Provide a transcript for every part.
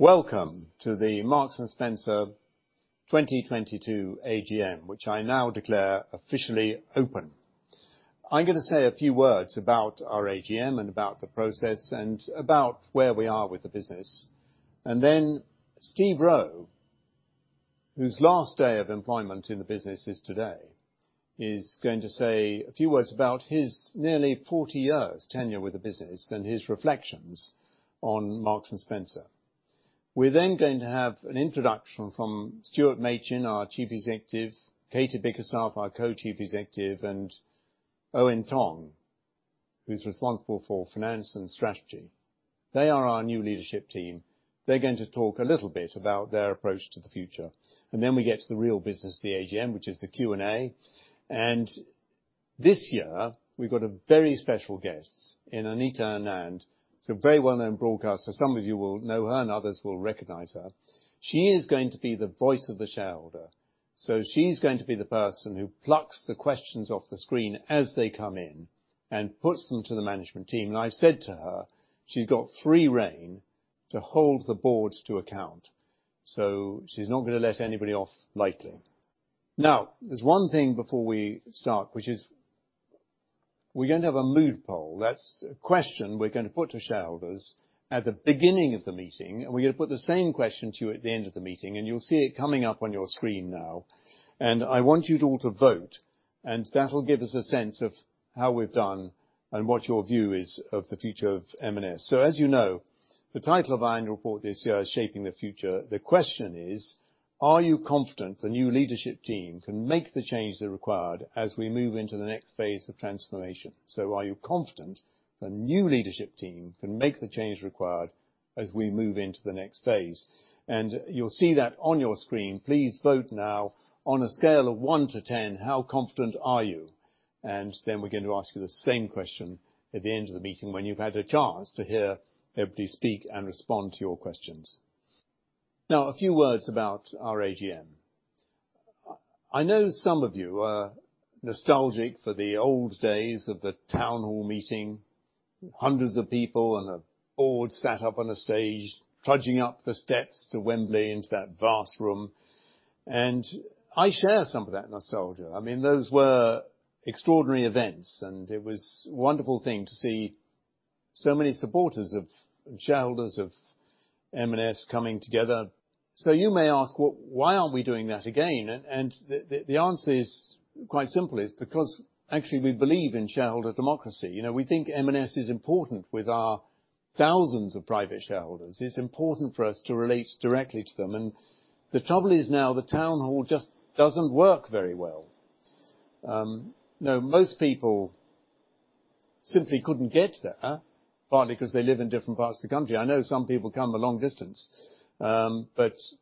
Welcome to the Marks & Spencer 2022 AGM, which I now declare officially open. I'm gonna say a few words about our AGM and about the process and about where we are with the business. Then Steve Rowe, whose last day of employment in the business is today, is going to say a few words about his nearly 40 years tenure with the business and his reflections on Marks & Spencer. We're then going to have an introduction from Stuart Machin, our Chief Executive, Katie Bickerstaffe, our Co-Chief Executive, and Eoin Tonge, who's responsible for finance and strategy. They are our new leadership team. They're going to talk a little bit about their approach to the future. Then we get to the real business of the AGM, which is the Q&A. This year we've got a very special guest in Anita Anand. She's a very well-known broadcaster. Some of you will know her, and others will recognize her. She is going to be the voice of the shareholder, so she's going to be the person who plucks the questions off the screen as they come in and puts them to the management team. I've said to her, she's got free rein to hold the board to account, so she's not gonna let anybody off lightly. Now, there's one thing before we start, which is we're going to have a mood poll. That's a question we're going to put to shareholders at the beginning of the meeting, and we're going to put the same question to you at the end of the meeting, and you'll see it coming up on your screen now. I want you all to vote, and that'll give us a sense of how we've done and what your view is of the future of M&S. As you know, the title of our annual report this year is Shaping the Future. The question is, are you confident the new leadership team can make the changes required as we move into the next phase of transformation? Are you confident the new leadership team can make the change required as we move into the next phase? You'll see that on your screen. Please vote now. On a scale of one to 10, how confident are you? Then we're going to ask you the same question at the end of the meeting when you've had a chance to hear everybody speak and respond to your questions. Now, a few words about our AGM. I know some of you are nostalgic for the old days of the town hall meeting, hundreds of people and a board sat up on a stage, trudging up the steps to Wembley into that vast room. I share some of that nostalgia. I mean, those were extraordinary events, and it was a wonderful thing to see so many supporters of, shareholders of M&S coming together. You may ask, well, why aren't we doing that again? The answer is quite simple. It's because actually we believe in shareholder democracy. You know, we think M&S is important with our thousands of private shareholders. It's important for us to relate directly to them, and the trouble is now the town hall just doesn't work very well. You know, most people simply couldn't get there, partly because they live in different parts of the country. I know some people come a long distance.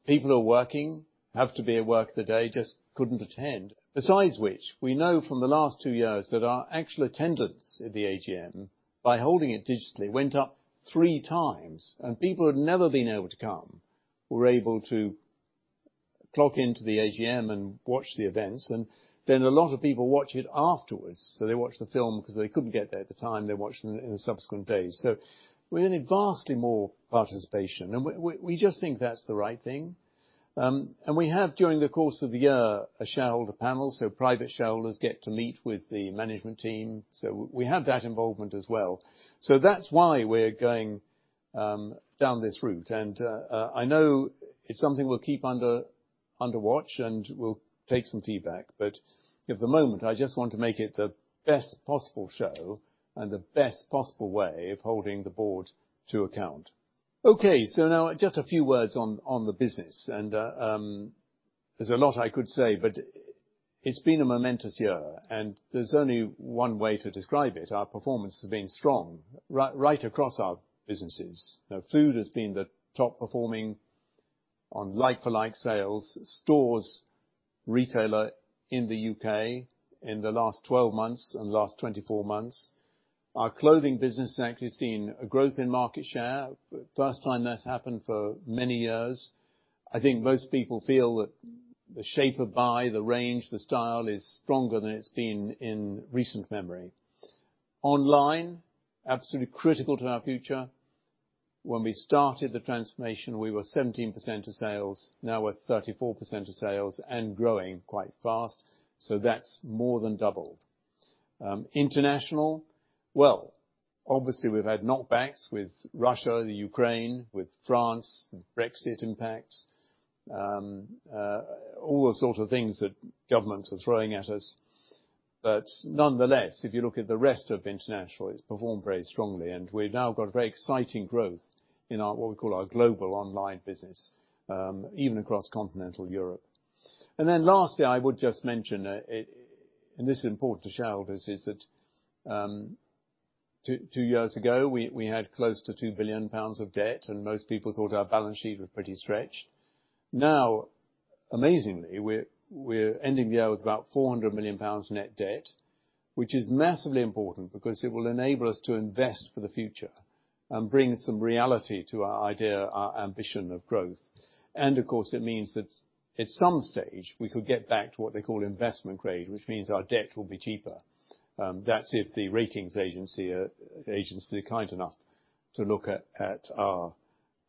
People who are working have to be at work the day, just couldn't attend. Besides which, we know from the last two years that our actual attendance at the AGM, by holding it digitally, went up three times. People who had never been able to come were able to log into the AGM and watch the events, and then a lot of people watch it afterwards. They watch the film because they couldn't get there at the time. They watch them in the subsequent days. We're getting vastly more participation, and we just think that's the right thing. We have during the course of the year a shareholder panel, so private shareholders get to meet with the management team. We have that involvement as well. That's why we're going down this route. I know it's something we'll keep under watch, and we'll take some feedback. At the moment, I just want to make it the best possible show and the best possible way of holding the board to account. Okay, now just a few words on the business. There's a lot I could say, but it's been a momentous year, and there's only one way to describe it. Our performance has been strong right across our businesses. Now, food has been the top performing on like-for-like sales stores retailer in the U.K. in the last 12 months and last 24 months. Our clothing business has actually seen a growth in market share, first time that's happened for many years. I think most people feel that the shape of buy, the range, the style is stronger than it's been in recent memory. Online, absolutely critical to our future. When we started the transformation, we were 17% of sales. Now we're 34% of sales and growing quite fast. That's more than doubled. International, well, obviously we've had knockbacks with Russia, Ukraine, with France, Brexit impacts, all the sorts of things that governments are throwing at us. Nonetheless, if you look at the rest of international, it's performed very strongly, and we've now got a very exciting growth in our, what we call our global online business, even across continental Europe. Then lastly, I would just mention it, and this is important to shareholders, is that two years ago we had close to 2 billion pounds of debt, and most people thought our balance sheet was pretty stretched. Now, amazingly, we're ending the year with about 400 million pounds net debt, which is massively important because it will enable us to invest for the future and bring some reality to our idea, our ambition of growth. Of course, it means that at some stage, we could get back to what they call investment grade, which means our debt will be cheaper. That's if the ratings agency are kind enough to look at our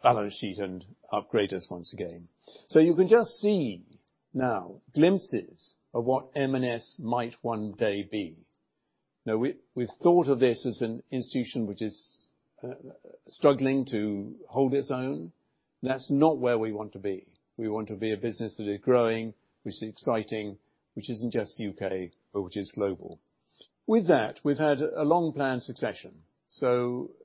balance sheet and upgrade us once again. You can just see now glimpses of what M&S might one day be. Now we've thought of this as an institution which is struggling to hold its own. That's not where we want to be. We want to be a business that is growing, which is exciting, which isn't just U.K., but which is global. With that, we've had a long-planned succession.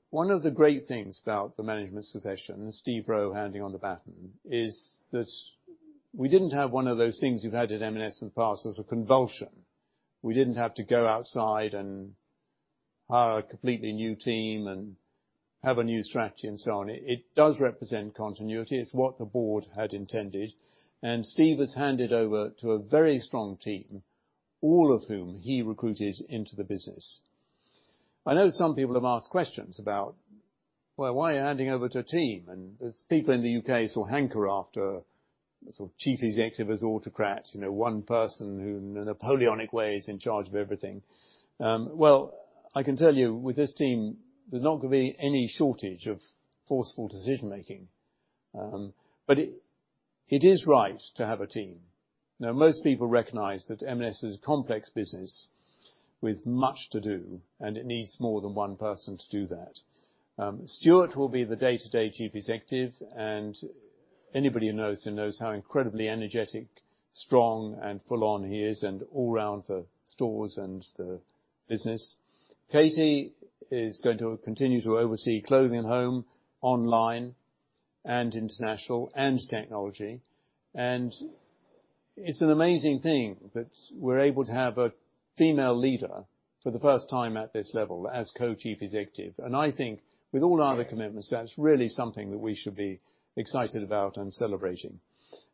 One of the great things about the management succession, Steve Rowe handing on the baton, is that we didn't have one of those things you've had at M&S in the past, was a convulsion. We didn't have to go outside and hire a completely new team and have a new strategy and so on. It does represent continuity. It's what the board had intended, and Steve has handed over to a very strong team, all of whom he recruited into the business. I know some people have asked questions about, "Well, why are you handing over to a team?" There's people in the U.K. sort of hanker after sort of chief executive as autocrat, you know, one person who, in a Napoleonic way, is in charge of everything. Well, I can tell you with this team, there's not gonna be any shortage of forceful decision-making. It is right to have a team. Now, most people recognize that M&S is a complex business with much to do, and it needs more than one person to do that. Stuart will be the day-to-day chief executive, and anybody who knows him knows how incredibly energetic, strong, and full on he is and all around the stores and the business. Katie is going to continue to oversee clothing and home, online, and international and technology. It's an amazing thing that we're able to have a female leader for the first time at this level as co-chief executive. I think with all our other commitments, that's really something that we should be excited about and celebrating.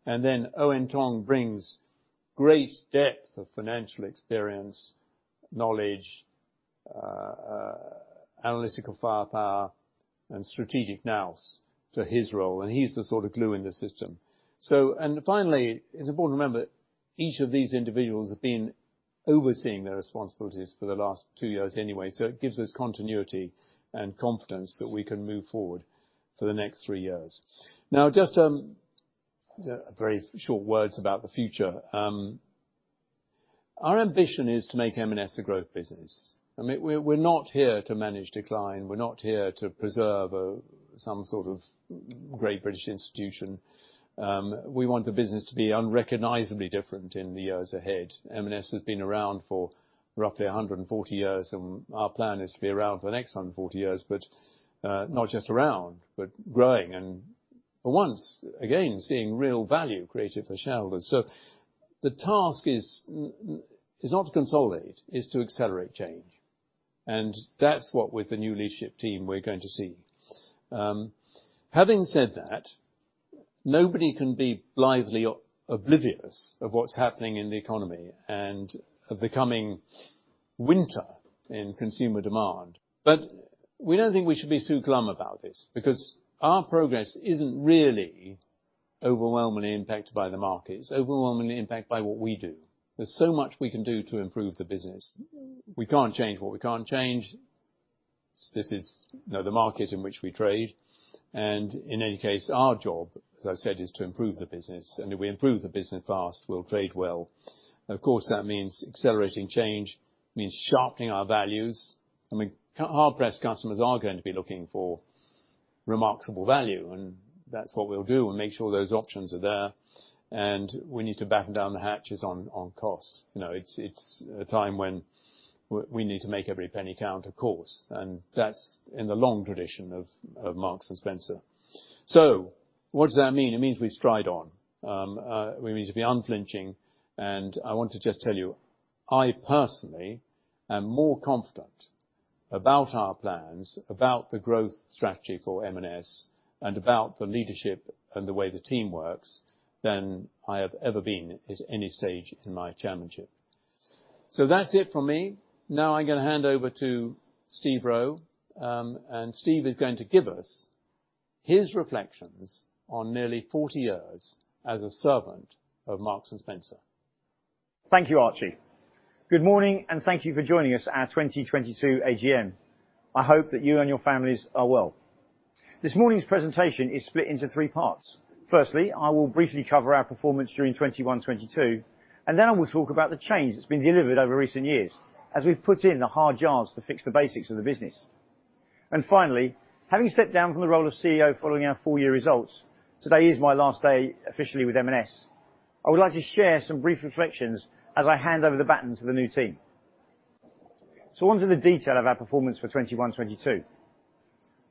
Eoin Tonge brings great depth of financial experience, knowledge, analytical firepower, and strategic nous to his role, and he's the sort of glue in the system. Finally, it's important to remember, each of these individuals have been overseeing their responsibilities for the last two years anyway, so it gives us continuity and confidence that we can move forward for the next three years. Now, just, very short words about the future. Our ambition is to make M&S a growth business. I mean, we're not here to manage decline. We're not here to preserve some sort of great British institution. We want the business to be unrecognizably different in the years ahead. M&S has been around for roughly 100 years, and our plan is to be around for the next 100 years, but not just around, but growing and for once again, seeing real value created for shareholders. The task is not to consolidate, is to accelerate change. That's what with the new leadership team we're going to see. Having said that, nobody can be blithely oblivious of what's happening in the economy and of the coming winter in consumer demand. We don't think we should be too glum about this, because our progress isn't really overwhelmingly impacted by the market. It's overwhelmingly impacted by what we do. There's so much we can do to improve the business. We can't change what we can't change. This is, you know, the market in which we trade. In any case, our job, as I said, is to improve the business. If we improve the business fast, we'll trade well. Of course, that means accelerating change, means sharpening our values. I mean, hard-pressed customers are going to be looking for remarkable value, and that's what we'll do. We'll make sure those options are there, and we need to batten down the hatches on cost. You know, it's a time when we need to make every penny count, of course, and that's in the long tradition of Marks & Spencer. What does that mean? It means we stride on. We need to be unflinching, and I want to just tell you, I personally am more confident about our plans, about the growth strategy for M&S, and about the leadership and the way the team works than I have ever been at any stage in my chairmanship. That's it for me. Now I'm gonna hand over to Steve Rowe, and Steve is going to give us his reflections on nearly 40 years as a servant of Marks & Spencer. Thank you, Archie. Good morning, and thank you for joining us at our 2022 AGM. I hope that you and your families are well. This morning's presentation is split into three parts. Firstly, I will briefly cover our performance during 2021, 2022, and then I will talk about the change that's been delivered over recent years as we've put in the hard yards to fix the basics of the business. Finally, having stepped down from the role of CEO following our full-year results, today is my last day officially with M&S. I would like to share some brief reflections as I hand over the baton to the new team. Onto the detail of our performance for 2021, 2022.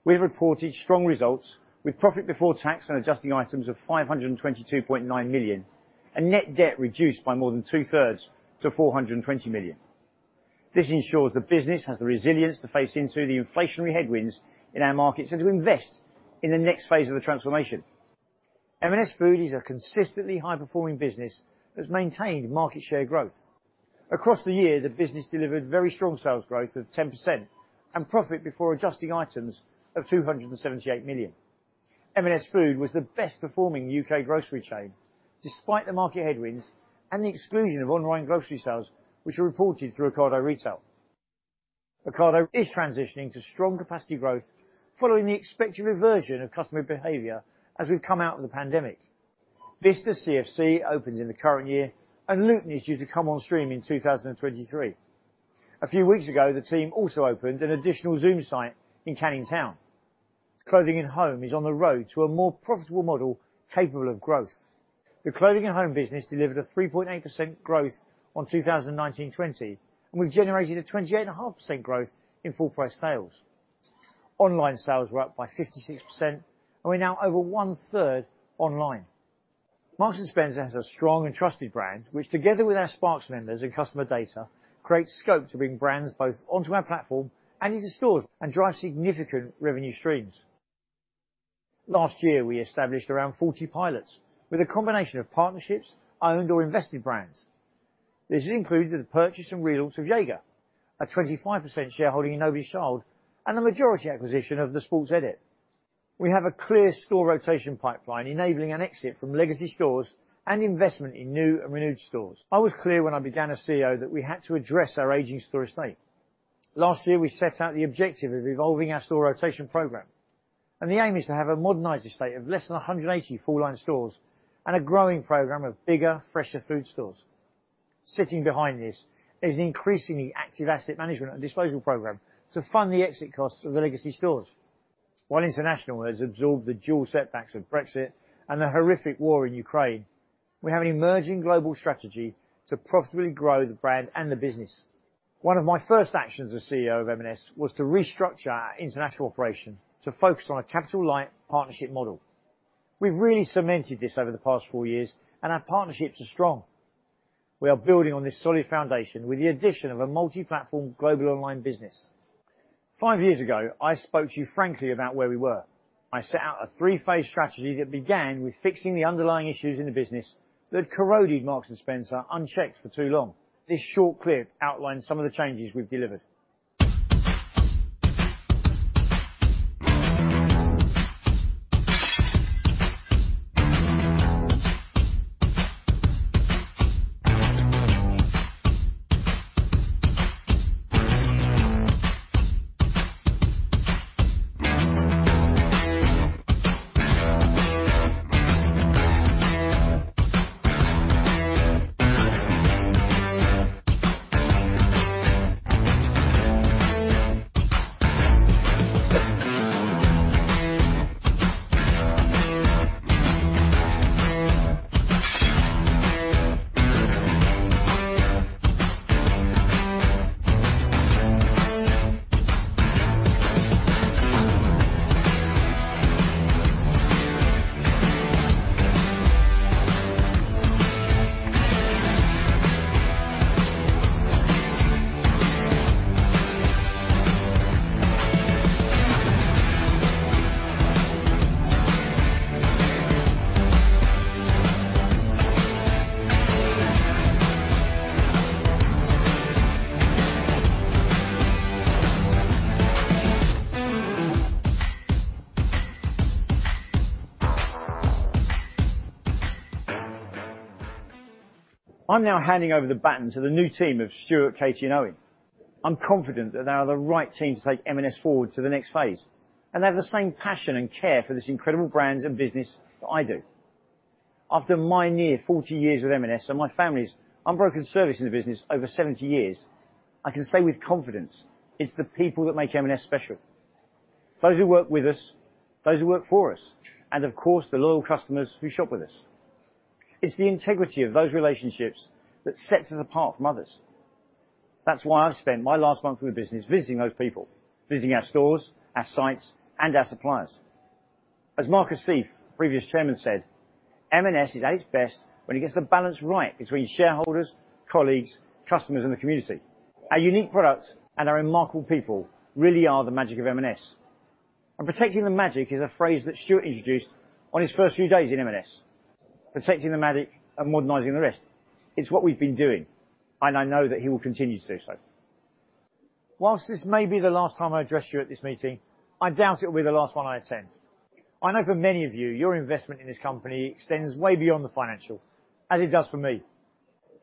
We have reported strong results with profit before tax and adjusting items of 522.9 million and net debt reduced by more than 2/3 to 420 million. This ensures the business has the resilience to face into the inflationary headwinds in our markets and to invest in the next phase of the transformation. M&S Food is a consistently high-performing business that's maintained market share growth. Across the year, the business delivered very strong sales growth of 10% and profit before adjusting items of 278 million. M&S Food was the best performing U.K. grocery chain, despite the market headwinds and the exclusion of online grocery sales, which are reported through Ocado Retail. Ocado is transitioning to strong capacity growth following the expected reversion of customer behavior as we've come out of the pandemic. Vista CFC opens in the current year and Luton is due to come on stream in 2023. A few weeks ago, the team also opened an additional Zoom site in Canning Town. Clothing & Home is on the road to a more profitable model capable of growth. The Clothing & Home business delivered a 3.8% growth on 2019, 2020, and we've generated a 28.5% growth in full price sales. Online sales were up by 56%, and we're now over 1/3 online. Marks & Spencer has a strong and trusted brand, which together with our sparks vendors and customer data, creates scope to bring brands both onto our platform and into stores and drive significant revenue streams. Last year, we established around 40 pilots with a combination of partnerships, owned or invested brands. This has included the purchase and relaunch of Jaeger, a 25% shareholding in Nobody's Child, and the majority acquisition of The Sports Edit. We have a clear store rotation pipeline, enabling an exit from legacy stores and investment in new and renewed stores. I was clear when I began as CEO that we had to address our aging store estate. Last year, we set out the objective of evolving our store rotation program, and the aim is to have a modernized estate of less than 180 full-line stores and a growing program of bigger, fresher food stores. Sitting behind this is an increasingly active asset management and disposal program to fund the exit costs of the legacy stores. While International has absorbed the dual setbacks of Brexit and the horrific war in Ukraine, we have an emerging global strategy to profitably grow the brand and the business. One of my first actions as CEO of M&S was to restructure our international operation to focus on a capital-light partnership model. We've really cemented this over the past four years, and our partnerships are strong. We are building on this solid foundation with the addition of a multi-platform global online business. Five years ago, I spoke to you frankly about where we were. I set out a three-phase strategy that began with fixing the underlying issues in the business that had corroded Marks & Spencer unchecked for too long. This short clip outlines some of the changes we've delivered. I'm now handing over the baton to the new team of Stuart, Katie, and Eoin. I'm confident that they are the right team to take M&S forward to the next phase, and they have the same passion and care for this incredible brand and business that I do. After my near 40 years with M&S and my family's unbroken service in the business over 70 years, I can say with confidence, it's the people that make M&S special, those who work with us, those who work for us, and of course, the loyal customers who shop with us. It's the integrity of those relationships that sets us apart from others. That's why I've spent my last month with the business visiting those people, visiting our stores, our sites, and our suppliers. As Marcus Sieff, previous chairman, said, "M&S is at its best when it gets the balance right between shareholders, colleagues, customers, and the community." Our unique product and our remarkable people really are the magic of M&S. Protecting the magic is a phrase that Stuart introduced on his first few days in M&S. Protecting the magic and modernizing the rest. It's what we've been doing, and I know that he will continue to do so. Whilst this may be the last time I address you at this meeting, I doubt it will be the last one I attend. I know for many of you, your investment in this company extends way beyond the financial, as it does for me.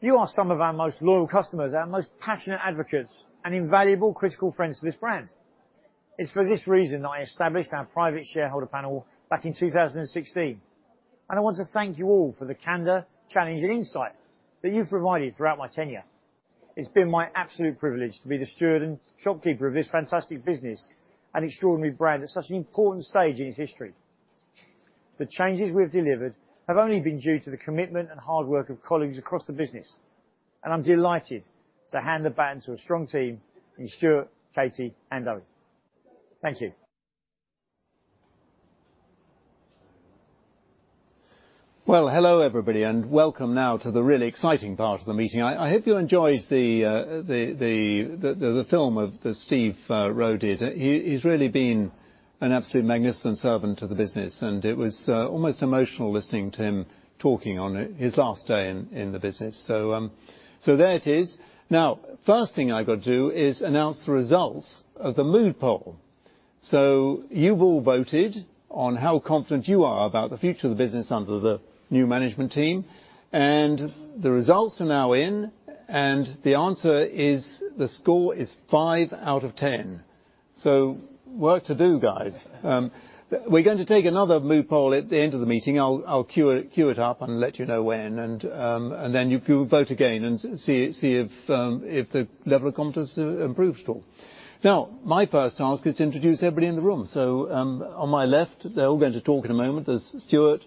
You are some of our most loyal customers, our most passionate advocates, and invaluable critical friends to this brand. It's for this reason that I established our private shareholder panel back in 2016, and I want to thank you all for the candor, challenge, and insight that you've provided throughout my tenure. It's been my absolute privilege to be the steward and shopkeeper of this fantastic business and extraordinary brand at such an important stage in its history. The changes we have delivered have only been due to the commitment and hard work of colleagues across the business, and I'm delighted to hand the baton to a strong team in Stuart, Katie, and Eoin. Thank you. Well, hello, everybody, and welcome now to the really exciting part of the meeting. I hope you enjoyed the film that Steve Rowe did. He's really been an absolute magnificent servant to the business, and it was almost emotional listening to him talking on it, his last day in the business. There it is. Now, first thing I've got to do is announce the results of the mood poll. You've all voted on how confident you are about the future of the business under the new management team, and the results are now in, and the answer is the score is five out of 10. Work to do, guys. We're going to take another poll at the end of the meeting. I'll cue it up and let you know when. Then you can vote again and see if the level of confidence improves at all. Now, my first task is to introduce everybody in the room. On my left, they're all going to talk in a moment, there's Stuart,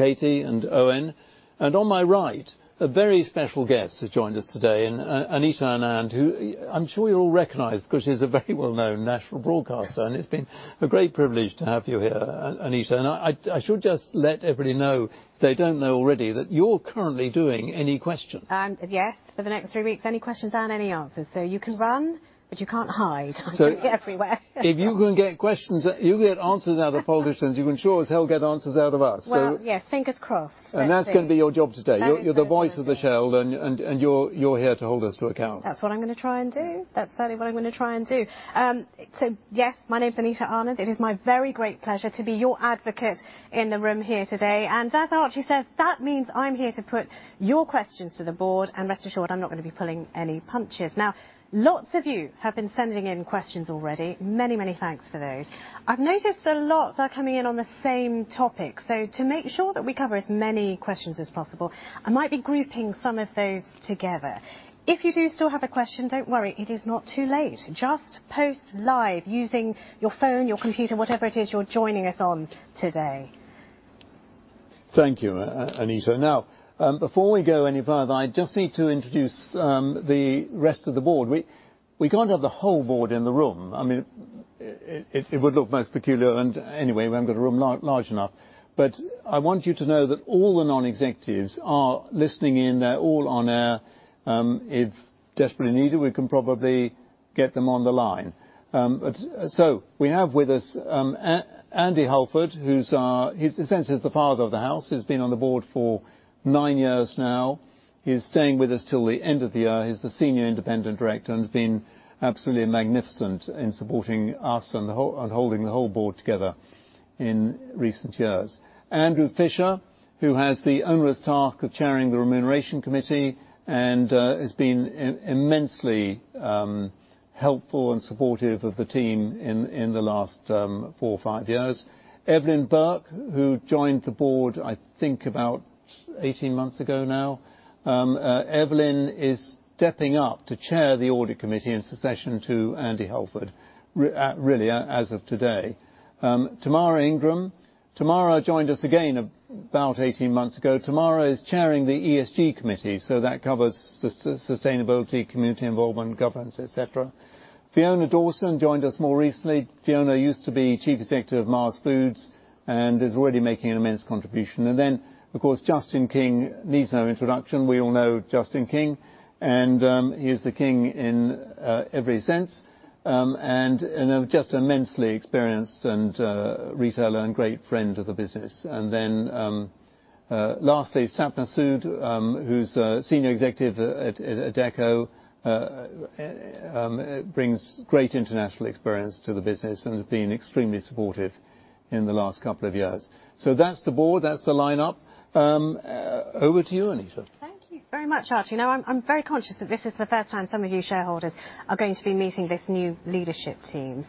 Katie, and Eoin. On my right, a very special guest has joined us today, Anita Anand, who I'm sure you all recognize because she's a very well-known national broadcaster, and it's been a great privilege to have you here, Anita. I should just let everybody know, if they don't know already, that you're currently doing Any Questions?. Yes, for the next three weeks, any questions, and any answers? You can run, but you can't hide, I'm everywhere. If you can get answers out of politicians, you can sure as hell get answers out of us. Well, yes, fingers crossed. That's going to be your job today. That is the job. You're the voice of the shareholder, and you're here to hold us to account. That's what I'm going to try and do. That's certainly what I'm going to try and do. My name is Anita Anand. It is my very great pleasure to be your advocate in the room here today. As Archie says, that means I'm here to put your questions to the board, and rest assured, I'm not going to be pulling any punches. Now, lots of you have been sending in questions already. Many, many thanks for those. I've noticed a lot are coming in on the same topic. To make sure that we cover as many questions as possible, I might be grouping some of those together. If you do still have a question, don't worry, it is not too late. Just post live using your phone, your computer, whatever it is you're joining us on today. Thank you, Anita. Now, before we go any further, I just need to introduce the rest of the board. We can't have the whole board in the room. I mean, it would look most peculiar, and anyway, we haven't got a room large enough. I want you to know that all the non-executives are listening in. They're all on air. If desperately needed, we can probably get them on the line. We have with us, Andy Halford, who's our. He's essentially is the father of the house. He's been on the board for nine years now. He's staying with us till the end of the year. He's the Senior Independent Director and has been absolutely magnificent in supporting us and the whole and holding the whole board together in recent years. Andrew Fisher, who has the onerous task of chairing the Remuneration Committee and has been immensely helpful and supportive of the team in the last four or five years. Evelyn Bourke, who joined the board, I think, about 18 months ago now. Evelyn is stepping up to chair the Audit Committee in succession to Andy Halford, really as of today. Tamara Ingram. Tamara joined us again about 18 months ago. Tamara is chairing the ESG committee, so that covers sustainability, community involvement, governance, et cetera. Fiona Dawson joined us more recently. Fiona used to be Chief Executive of Mars Foods and is already making an immense contribution. Of course, Justin King needs no introduction. We all know Justin King, and he is the king in every sense, and you know, just immensely experienced and a retailer and great friend of the business. Lastly, Sapna Sood, who's a senior executive at Adecco, brings great international experience to the business and has been extremely supportive in the last couple of years. That's the board. That's the lineup. Over to you, Anita. Thank you very much, Archie. Now, I'm very conscious that this is the first time some of you shareholders are going to be meeting this new leadership team.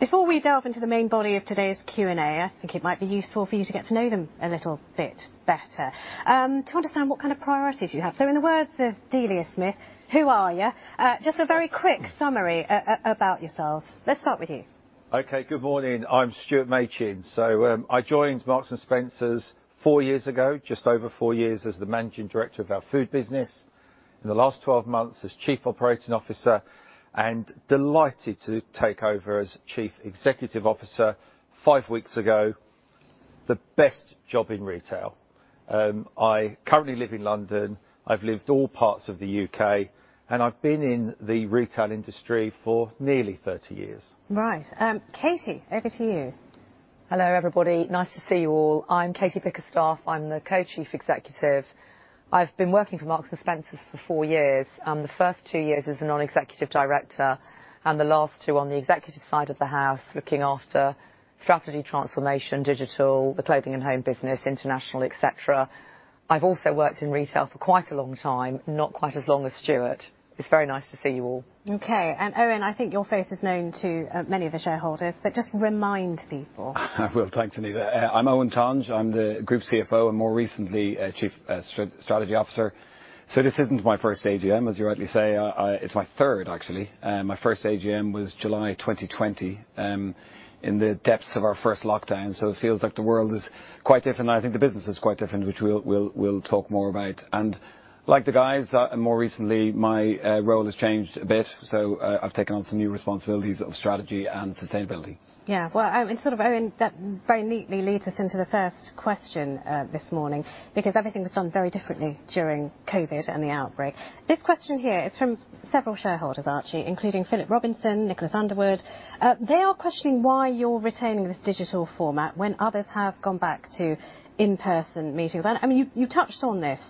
Before we delve into the main body of today's Q&A, I think it might be useful for you to get to know them a little bit better, to understand what kind of priorities you have. In the words of Delia Smith, who are you? Just a very quick summary about yourselves. Let's start with you. Okay. Good morning. I'm Stuart Machin. I joined Marks & Spencer four years ago, just over four years as the managing director of our food business. In the last 12 months as chief operating officer, and delighted to take over as chief executive officer five weeks ago, the best job in retail. I currently live in London. I've lived all parts of the U.K., and I've been in the retail industry for nearly 30 years. Right. Katie, over to you. Hello, everybody. Nice to see you all. I'm Katie Bickerstaffe. I'm the Co-Chief Executive. I've been working for Marks & Spencer for four years. The first two years as a Non-Executive Director and the last two on the executive side of the house, looking after strategy transformation, digital, the Clothing & Home business, international, et cetera. I've also worked in retail for quite a long time, not quite as long as Stuart. It's very nice to see you all. Okay. Eoin, I think your face is known to many of the shareholders, but just remind people. I will. Thanks, Anita. I'm Eoin Tonge. I'm the Group CFO and more recently, Chief Strategy Officer. This isn't my first AGM, as you rightly say. It's my third, actually. My first AGM was July 2020, in the depths of our first lockdown. It feels like the world is quite different, and I think the business is quite different, which we'll talk more about. Like the guys, more recently, my role has changed a bit. I've taken on some new responsibilities of strategy and sustainability. Yeah. Well, and sort of, Eoin, that very neatly leads us into the first question this morning because everything was done very differently during COVID and the outbreak. This question here is from several shareholders, Archie, including Philip Robinson, Nicholas Underwood. They are questioning why you're retaining this digital format when others have gone back to in-person meetings. I mean, you touched on this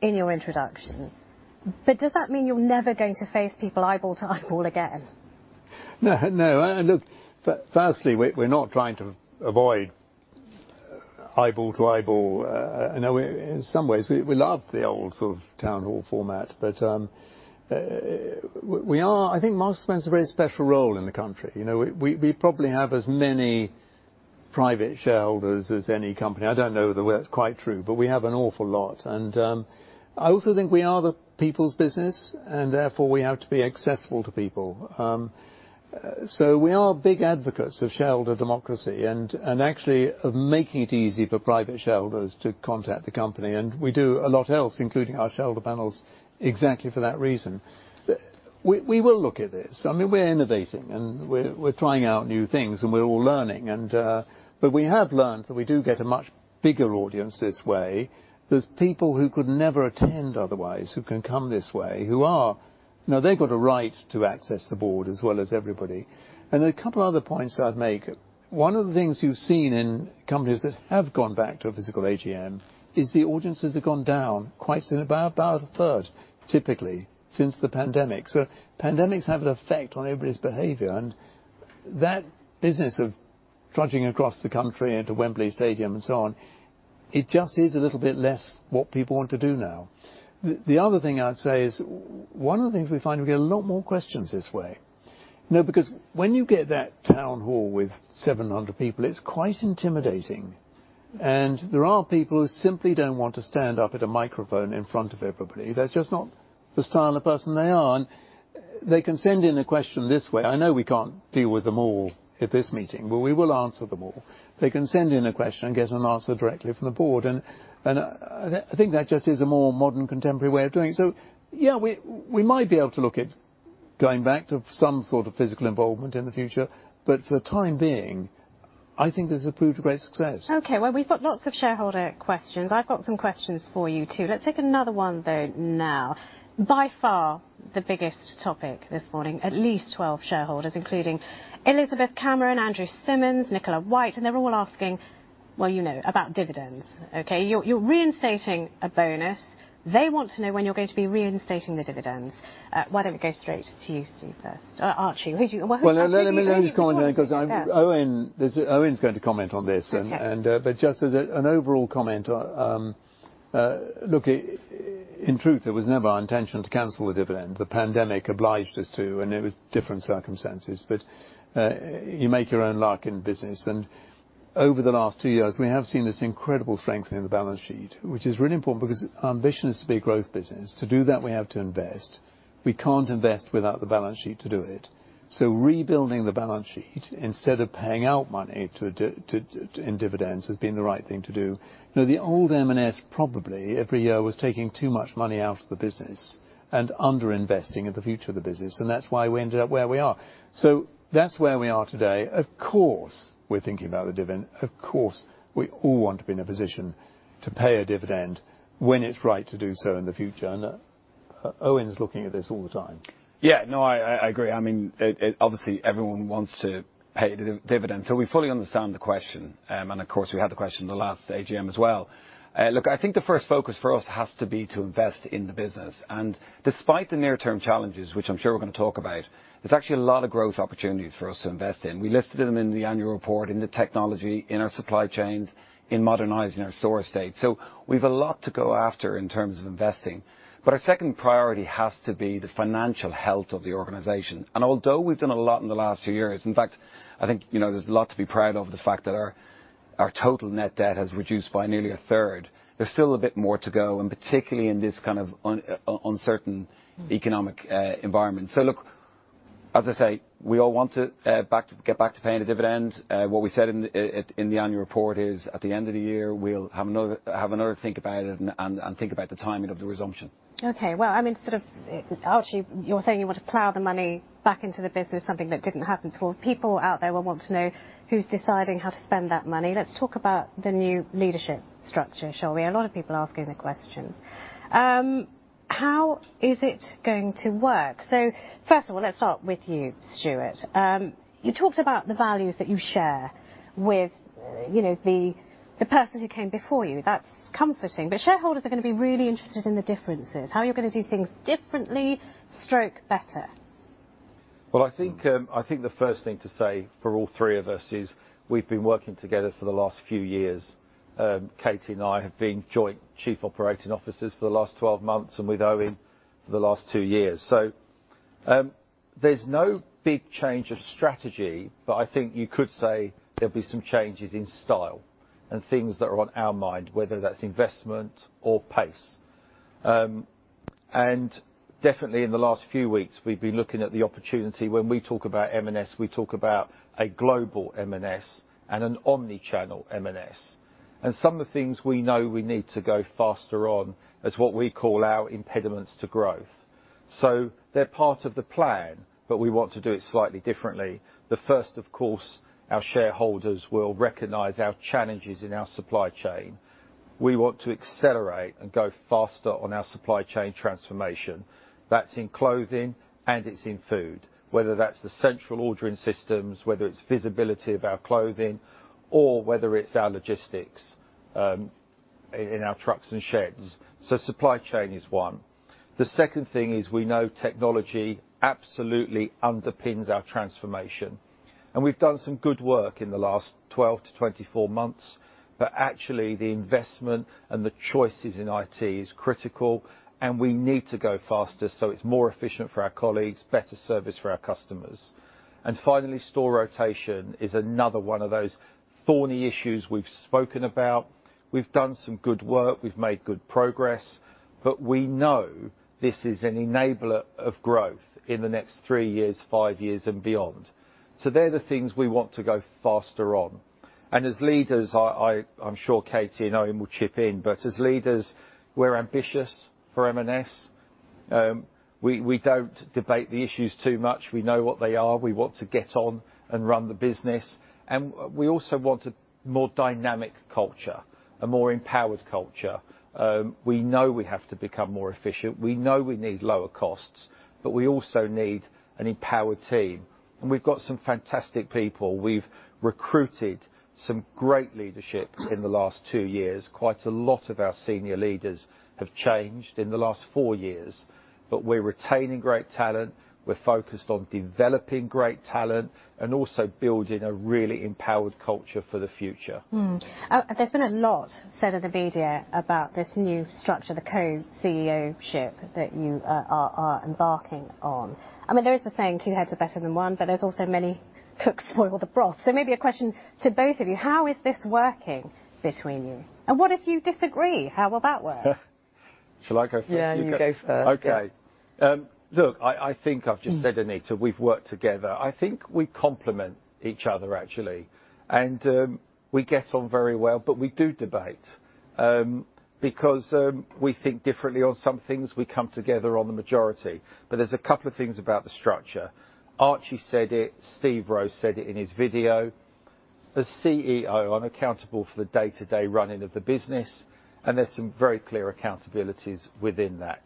in your introduction. Does that mean you're never going to face people eyeball to eyeball again? No, no. Look, firstly, we're not trying to avoid eyeball to eyeball. You know, in some ways, we love the old sort of town hall format. We are. I think M&S plays a very special role in the country. You know, we probably have as many private shareholders as any company. I don't know whether that's quite true, but we have an awful lot. I also think we are the people's business, and therefore, we have to be accessible to people. We are big advocates of shareholder democracy and actually making it easy for private shareholders to contact the company. We do a lot else, including our shareholder panels, exactly for that reason. We will look at this. I mean, we're innovating, and we're trying out new things, and we're all learning. We have learned that we do get a much bigger audience this way. There's people who could never attend otherwise who can come this way, who are you know, they've got a right to access the board as well as everybody. A couple other points that I'd make. One of the things you've seen in companies that have gone back to a physical AGM is the audiences have gone down quite a bit, about 1/3, typically, since the pandemic. Pandemics have an effect on everybody's behavior. That business of trudging across the country into Wembley Stadium and so on, it just is a little bit less what people want to do now. The other thing I'd say is one of the things we find, we get a lot more questions this way. You know, because when you get that town hall with 700 people, it's quite intimidating. There are people who simply don't want to stand up at a microphone in front of everybody. That's just not the style of person they are. They can send in a question this way. I know we can't deal with them all at this meeting, but we will answer them all. They can send in a question and get an answer directly from the board. I think that just is a more modern, contemporary way of doing it. Yeah, we might be able to look at going back to some sort of physical involvement in the future. For the time being, I think this has proved a great success. Okay. Well, we've got lots of shareholder questions. I've got some questions for you, too. Let's take another one, though, now. By far, the biggest topic this morning, at least 12 shareholders, including Elizabeth Cameron, Andrew Simmons, Nicola White, and they're all asking, well, you know, about dividends. Okay. You're reinstating a bonus. They want to know when you're going to be reinstating the dividends. Why don't we go straight to you, Steve, first. Archie. Well, who do you think is. Well, let me just comment then, 'cause I'm Yeah. Eoin Tonge, Eoin Tonge's going to comment on this. Okay. In truth, it was never our intention to cancel the dividend. The pandemic obliged us to, and it was different circumstances. You make your own luck in business. Over the last two years, we have seen this incredible strength in the balance sheet, which is really important because our ambition is to be a growth business. To do that, we have to invest. We can't invest without the balance sheet to do it. Rebuilding the balance sheet instead of paying out money in dividends has been the right thing to do. You know, the old M&S probably every year was taking too much money out of the business and underinvesting in the future of the business, and that's why we ended up where we are. That's where we are today. Of course, we're thinking about the dividend. Of course, we all want to be in a position to pay a dividend when it's right to do so in the future. Eoin's looking at this all the time. Yeah. No, I agree. I mean, obviously, everyone wants to pay dividend. We fully understand the question, and of course, we had the question the last AGM as well. Look, I think the first focus for us has to be to invest in the business. Despite the near-term challenges, which I'm sure we're gonna talk about, there's actually a lot of growth opportunities for us to invest in. We listed them in the annual report, in the technology, in our supply chains, in modernizing our store estate. We've a lot to go after in terms of investing. Our second priority has to be the financial health of the organization. Although we've done a lot in the last few years, in fact, I think, you know, there's a lot to be proud of the fact that our total net debt has reduced by nearly 1/3. There's still a bit more to go, and particularly in this kind of uncertain economic environment. Look, as I say, we all want to get back to paying the dividends. What we said in the annual report is at the end of the year, we'll have another think about it and think about the timing of the resumption. Okay. Well, I mean, sort of, Archie, you're saying you want to plow the money back into the business, something that didn't happen before. People out there will want to know who's deciding how to spend that money. Let's talk about the new leadership structure, shall we? A lot of people are asking the question. How is it going to work? First of all, let's start with you, Stuart. You talked about the values that you share with, you know, the person who came before you. That's comforting. Shareholders are gonna be really interested in the differences, how you're gonna do things differently, stroke, better. Well, I think the first thing to say for all three of us is we've been working together for the last few years. Katie and I have been joint chief operating officers for the last 12 months, and with Eoin for the last two years. There's no big change of strategy, but I think you could say there'll be some changes in style and things that are on our mind, whether that's investment or pace. And definitely in the last few weeks, we've been looking at the opportunity. When we talk about M&S, we talk about a global M&S and an omni-channel M&S. Some of the things we know we need to go faster on is what we call our impediments to growth. They're part of the plan, but we want to do it slightly differently. The first, of course, our shareholders will recognize our challenges in our supply chain. We want to accelerate and go faster on our supply chain transformation. That's in clothing, and it's in food, whether that's the central ordering systems, whether it's visibility of our clothing, or whether it's our logistics, in our trucks and sheds. Supply chain is one. The second thing is we know technology absolutely underpins our transformation. We've done some good work in the last 12 to 24 months, but actually, the investment and the choices in IT is critical, and we need to go faster so it's more efficient for our colleagues, better service for our customers. Finally, store rotation is another one of those thorny issues we've spoken about. We've done some good work, we've made good progress, but we know this is an enabler of growth in the next three years, five years, and beyond. They're the things we want to go faster on. As leaders, I'm sure Katie and Eoin will chip in, but as leaders, we're ambitious for M&S. We don't debate the issues too much. We know what they are. We want to get on and run the business. We also want a more dynamic culture, a more empowered culture. We know we have to become more efficient. We know we need lower costs, but we also need an empowered team. We've got some fantastic people. We've recruited some great leadership in the last two years. Quite a lot of our senior leaders have changed in the last four years, but we're retaining great talent, we're focused on developing great talent, and also building a really empowered culture for the future. There's been a lot said in the media about this new structure, the co-CEO ship that you are embarking on. I mean, there is the saying, two heads are better than one, but there's also many cooks spoil the broth. So maybe a question to both of you, how is this working between you? What if you disagree, how will that work? Shall I go first? Yeah, you go first. Okay. Look, I think I've just said, Anita, we've worked together. I think we complement each other actually. We get on very well, but we do debate, because we think differently on some things. We come together on the majority. There's a couple of things about the structure. Archie said it, Steve Rowe said it in his video. As CEO, I'm accountable for the day-to-day running of the business, and there's some very clear accountabilities within that.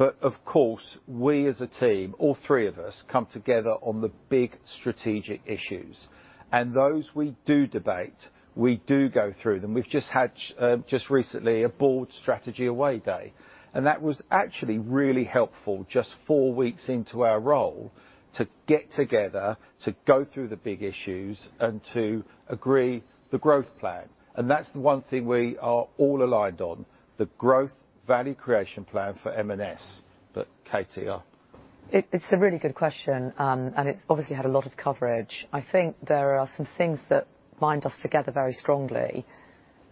Of course, we as a team, all three of us, come together on the big strategic issues. Those we do debate, we do go through them. We've just had just recently a board strategy away day, and that was actually really helpful, just four weeks into our role, to get together, to go through the big issues, and to agree the growth plan, and that's the one thing we are all aligned on, the growth value creation plan for M&S. Katie. It's a really good question, and it's obviously had a lot of coverage. I think there are some things that bind us together very strongly.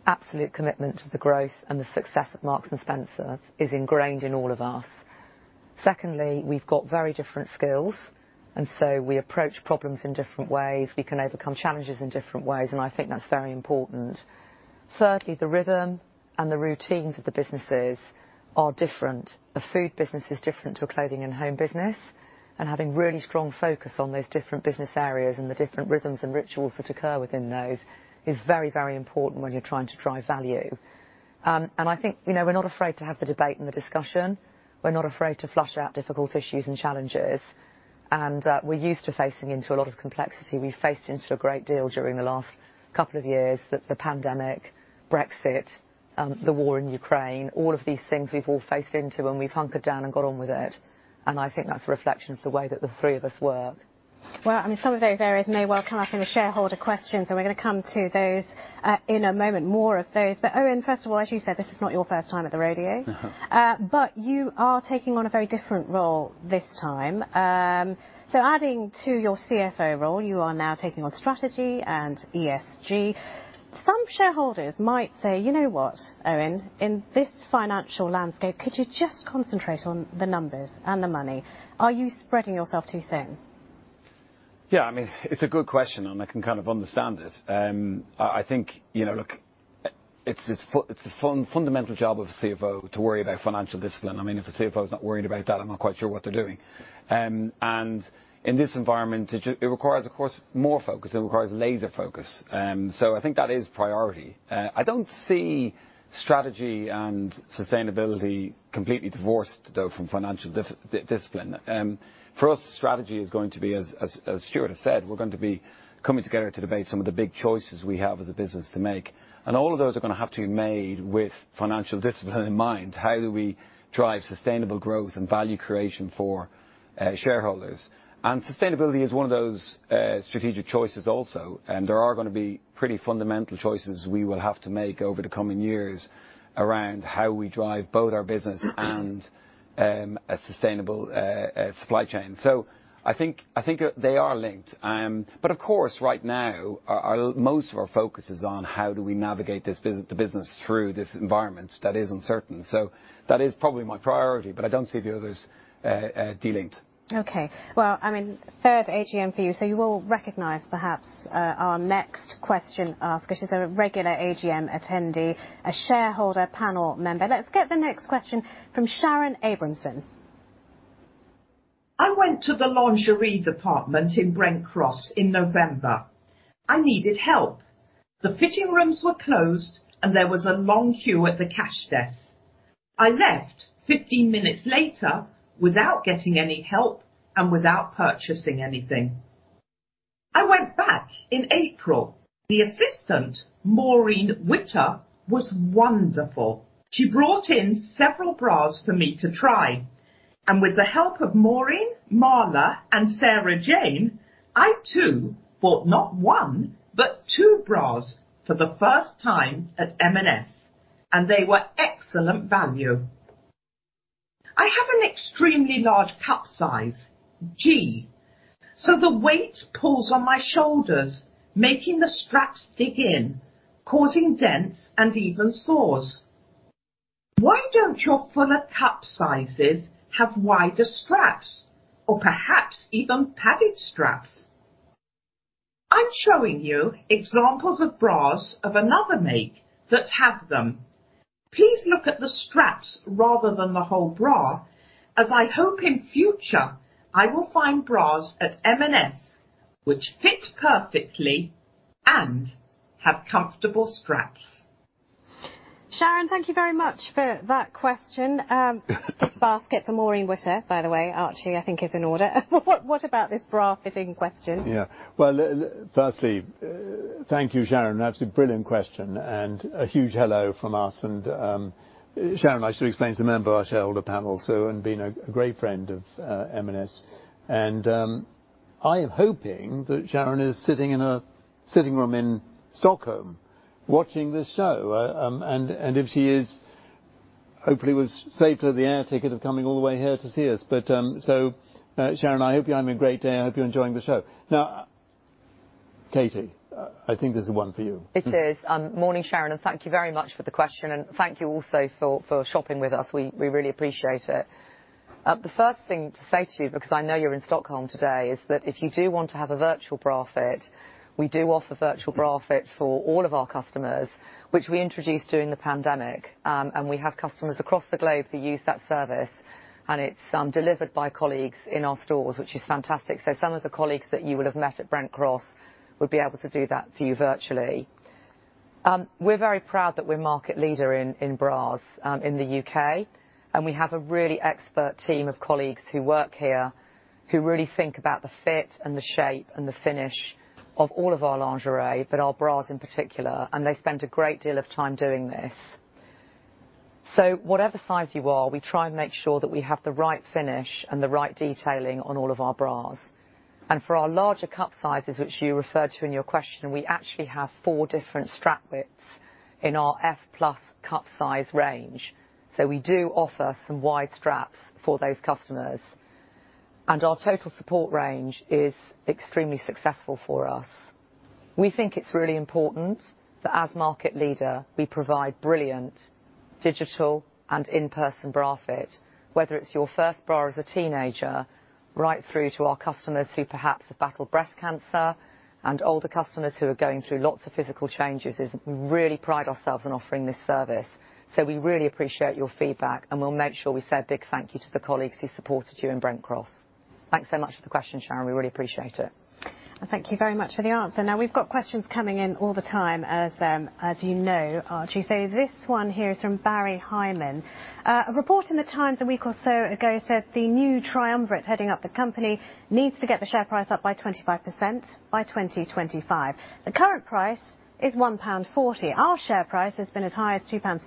Absolute commitment to the growth and the success of Marks & Spencer is ingrained in all of us. Secondly, we've got very different skills, and so we approach problems in different ways. We can overcome challenges in different ways, and I think that's very important. Thirdly, the rhythm and the routines of the businesses are different. The food business is different to a clothing and home business and having really strong focus on those different business areas and the different rhythms and rituals that occur within those is very, very important when you're trying to drive value. I think, you know, we're not afraid to have the debate and the discussion. We're not afraid to flush out difficult issues and challenges, and we're used to facing into a lot of complexity. We faced into a great deal during the last couple of years with the pandemic, Brexit, the war in Ukraine. All of these things we've all faced into, and we've hunkered down and got on with it, and I think that's a reflection of the way that the three of us work. Well, I mean, some of those areas may well come up in the shareholder questions, and we're gonna come to those in a moment, more of those. Eoin, first of all, as you said, this is not your first time at the rodeo. No. You are taking on a very different role this time. Adding to your CFO role, you are now taking on strategy and ESG. Some shareholders might say, "You know what, Eoin? In this financial landscape, could you just concentrate on the numbers and the money?" Are you spreading yourself too thin? Yeah, I mean, it's a good question, and I can kind of understand it. I think, you know, look, it's a fundamental job of CFO to worry about financial discipline. I mean, if a CFO is not worried about that, I'm not quite sure what they're doing. In this environment, it requires, of course, more focus. It requires laser focus. I think that is priority. I don't see strategy and sustainability completely divorced, though, from financial discipline. For us, strategy is going to be, as Stuart has said, we're going to be coming together to debate some of the big choices we have as a business to make, and all of those are gonna have to be made with financial discipline in mind. How do we drive sustainable growth and value creation for shareholders? Sustainability is one of those strategic choices also, and there are gonna be pretty fundamental choices we will have to make over the coming years around how we drive both our business and a sustainable supply chain. I think they are linked. Of course, right now, most of our focus is on how we navigate the business through this environment that is uncertain. That is probably my priority, but I don't see the others delinked. Okay. Well, I mean, third AGM for you, so you will recognize perhaps our next question asker, 'cause she's a regular AGM attendee, a shareholder panel member. Let's get the next question from Sharon Abramson. I went to the lingerie department in Brent Cross in November. I needed help. The fitting rooms were closed, and there was a long queue at the cash desk. I left 15 minutes later without getting any help and without purchasing anything. I went back in April. The assistant, Maureen Witter, was wonderful. She brought in several bras for me to try, and with the help of Maureen, Marla, and Sarah Jane, I too bought not one, but two bras for the first time at M&S, and they were excellent value. I have an extremely large cup size, G, so the weight pulls on my shoulders, making the straps dig in, causing dents and even sores. Why don't your fuller cup sizes have wider straps or perhaps even padded straps? I'm showing you examples of bras of another make that have them. Please look at the straps rather than the whole bra, as I hope in future I will find bras at M&S which fit perfectly and have comfortable straps. Sharon, thank you very much for that question. This basket for Maureen Witter, by the way, Archie, I think is in order. What about this bra fitting question? Well, firstly, thank you, Sharon. That's a brilliant question and a huge hello from us. Sharon, I should explain, is a member of our shareholder panel, so she has been a great friend of M&S. I am hoping that Sharon is sitting in a sitting room in Stockholm watching this show. If she is, hopefully it was safer than the air ticket of coming all the way here to see us. Sharon, I hope you're having a great day. I hope you're enjoying the show. Now, Katie, I think this is one for you. It is morning, Sharon, and thank you very much for the question. Thank you also for shopping with us. We really appreciate it. The first thing to say to you, because I know you're in Stockholm today, is that if you do want to have a virtual bra fit, we do offer virtual bra fit for all of our customers, which we introduced during the pandemic. We have customers across the globe who use that service, and it's delivered by colleagues in our stores, which is fantastic. Some of the colleagues that you will have met at Brent Cross would be able to do that for you virtually. We're very proud that we're market leader in bras in the U.K., and we have a really expert team of colleagues who work here who really think about the fit and the shape and the finish of all of our lingerie, but our bras in particular, and they spend a great deal of time doing this. Whatever size you are, we try and make sure that we have the right finish and the right detailing on all of our bras. For our larger cup sizes, which you referred to in your question, we actually have four different strap widths in our F+ cup size range. We do offer some wide straps for those customers. Our total support range is extremely successful for us. We think it's really important that as market leader we provide brilliant digital and in-person bra fit, whether it's your first bra as a teenager right through to our customers who perhaps have battled breast cancer and older customers who are going through lots of physical changes is we really pride ourselves in offering this service. We really appreciate your feedback, and we'll make sure we say a big thank you to the colleagues who supported you in Brent Cross. Thanks so much for the question, Sharon. We really appreciate it. Thank you very much for the answer. Now, we've got questions coming in all the time as you know, Archie. This one here is from Barry Hyman. A report in The Times a week or so ago said the new triumvirate heading up the company needs to get the share price up by 25% by 2025. The current price is 1.40 pound. Our share price has been as high as 2.56 pounds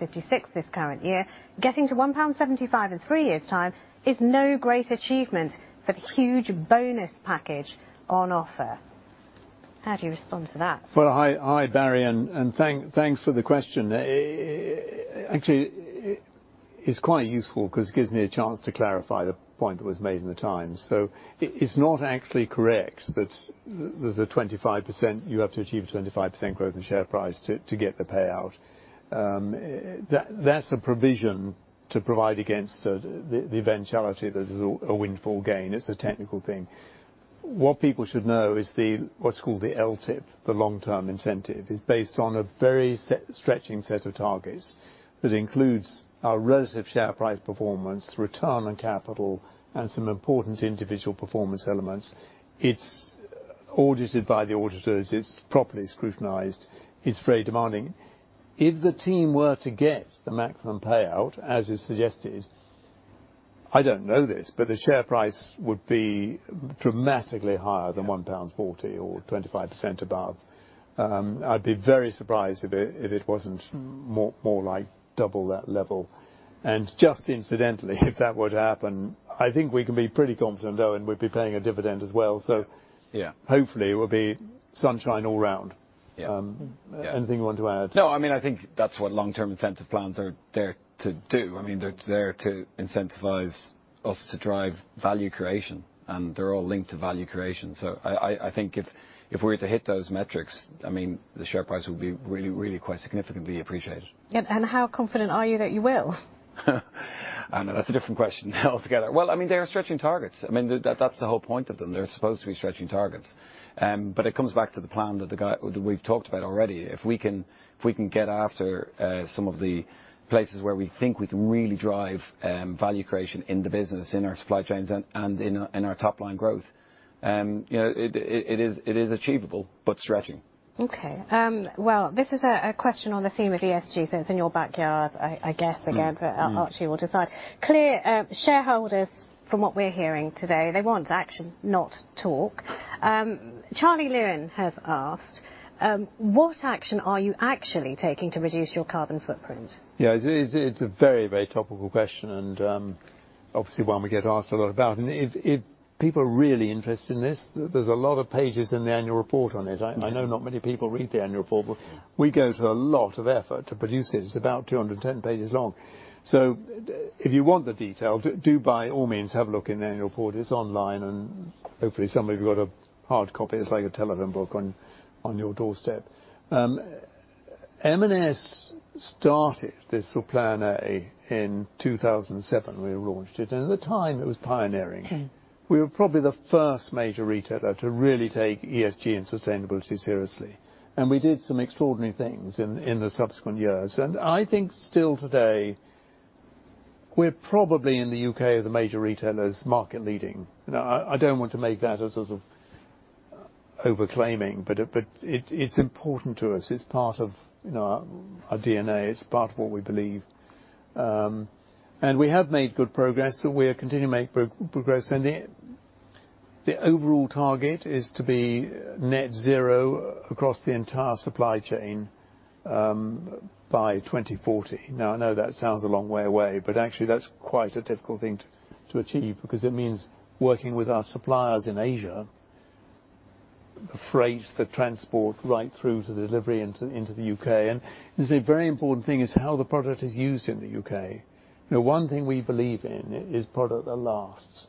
this current year. Getting to 1.75 pound in three years' time is no great achievement for the huge bonus package on offer. How do you respond to that? Well, hi, Barry, and thanks for the question. Actually, it's quite useful 'cause it gives me a chance to clarify the point that was made in The Times. It's not actually correct that there's a 25% you have to achieve a 25% growth in share price to get the payout. That's a provision to provide against the eventuality that there's a windfall gain. It's a technical thing. What people should know is what's called the LTIP, the Long-Term Incentive, is based on a very set, stretching set of targets that includes our relative share price performance, return on capital, and some important individual performance elements. It's audited by the auditors. It's properly scrutinized. It's very demanding. If the team were to get the maximum payout, as is suggested, I don't know this, but the share price would be dramatically higher than 1.40 pounds or 25% above. I'd be very surprised if it wasn't more like double that level. Just incidentally, if that were to happen, I think we can be pretty confident, though, and we'd be paying a dividend as well. Yeah. Hopefully it will be sunshine all round. Yeah. Anything you want to add? No, I mean, I think that's what long-term incentive plans are there to do. I mean, they're there to incentivize us to drive value creation, and they're all linked to value creation. I think if we're to hit those metrics, I mean, the share price will be really, really quite significantly appreciated. How confident are you that you will? I know that's a different question altogether. Well, I mean, they are stretching targets. I mean, that's the whole point of them. They're supposed to be stretching targets. It comes back to the plan that we've talked about already. If we can get after some of the places where we think we can really drive value creation in the business, in our supply chains and in our top line growth, you know, it is achievable but stretching. Okay. Well, this is a question on the theme of ESG, since it's in your backyard, I guess. Again, Archie will decide. Clear, shareholders, from what we're hearing today, they want action, not talk. Charlie Lewin has asked, "What action are you actually taking to reduce your carbon footprint? Yeah. It's a very topical question, and obviously one we get asked a lot about. If people are really interested in this, there's a lot of pages in the annual report on it. I know not many people read the annual report, but we go to a lot of effort to produce it. It's about 210 pages long. If you want the detail, do by all means have a look in the annual report. It's online, and hopefully, somebody's got a hard copy that's like a telephone book on your doorstep. M&S started this Plan A in 2007, we launched it, and at the time it was pioneering. We were probably the first major retailer to really take ESG and sustainability seriously, and we did some extraordinary things in the subsequent years. I think still today we're probably, in the U.K., the major retailers market leading. Now, I don't want to make that as sort of overclaiming, but it's important to us. It's part of, you know, our DNA, it's part of what we believe. We have made good progress. We are continuing to make progress, and the overall target is to be net zero across the entire supply chain by 2040. Now, I know that sounds a long way away, but actually that's quite a difficult thing to achieve, because it means working with our suppliers in Asia, the freight, the transport, right through to the delivery into the U.K.. There's a very important thing is how the product is used in the U.K.. You know, one thing we believe in is product that lasts.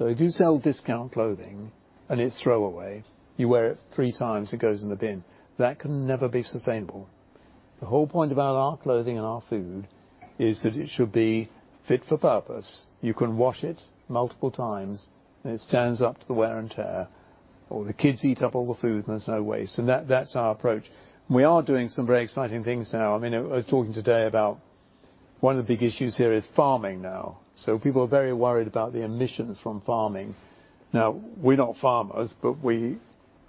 If you sell discount clothing and it's throwaway, you wear it three times, it goes in the bin. That can never be sustainable. The whole point about our clothing and our food is that it should be fit for purpose. You can wash it multiple times, and it stands up to the wear and tear, or the kids eat up all the food and there's no waste. That, that's our approach. We are doing some very exciting things now. I mean, I was talking today about one of the big issues here is farming now. People are very worried about the emissions from farming. Now, we're not farmers, but we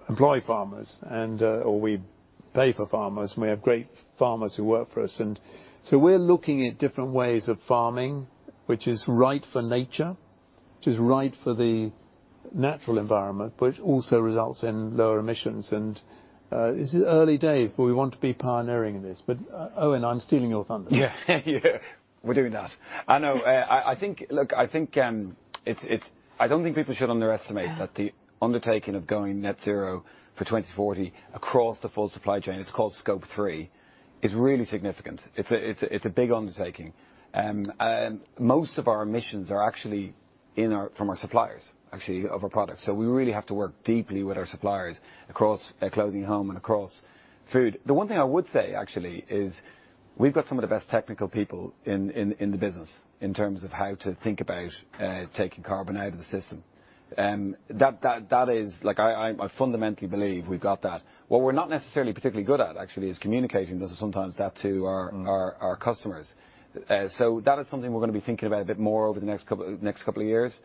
employ farmers and, or we pay for farmers, and we have great farmers who work for us. We're looking at different ways of farming which is right for nature, which is right for the natural environment, but which also results in lower emissions. This is early days, but we want to be pioneering this. Eoin, I'm stealing your thunder. Yeah. We're doing that. I know. I think it's. I don't think people should underestimate. Yeah that the undertaking of going net zero for 2040 across the full supply chain, it's called Scope 3, is really significant. It's a big undertaking. Most of our emissions are actually from our suppliers actually, of our products. So, we really have to work deeply with our suppliers across clothing, home, and across food. The one thing I would say, actually, is we've got some of the best technical people in the business in terms of how to think about taking carbon out of the system. That is like I fundamentally believe we've got that. What we're not necessarily particularly good at actually is communicating sometimes that to our customers. That is something we're gonna be thinking about a bit more over the next couple of years,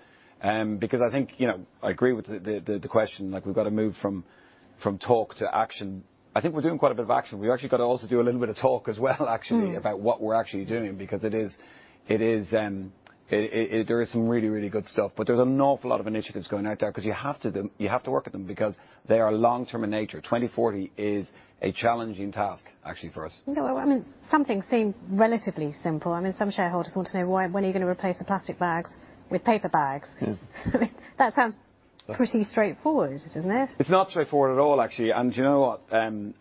because I think, you know, I agree with the question, like we've got to move from talk to action. I think we're doing quite a bit of action. We actually got to also do a little bit of talk as well actually. about what we're actually doing because it is. There is some really good stuff, but there's an awful lot of initiatives going out there because you have to work at them because they are long term in nature. 2040 is a challenging task actually for us. No, I mean, some things seem relatively simple. I mean, some shareholders want to know why, when are you going to replace the plastic bags with paper bags? That sounds pretty straightforward, isn't it? It's not straightforward at all, actually. You know what?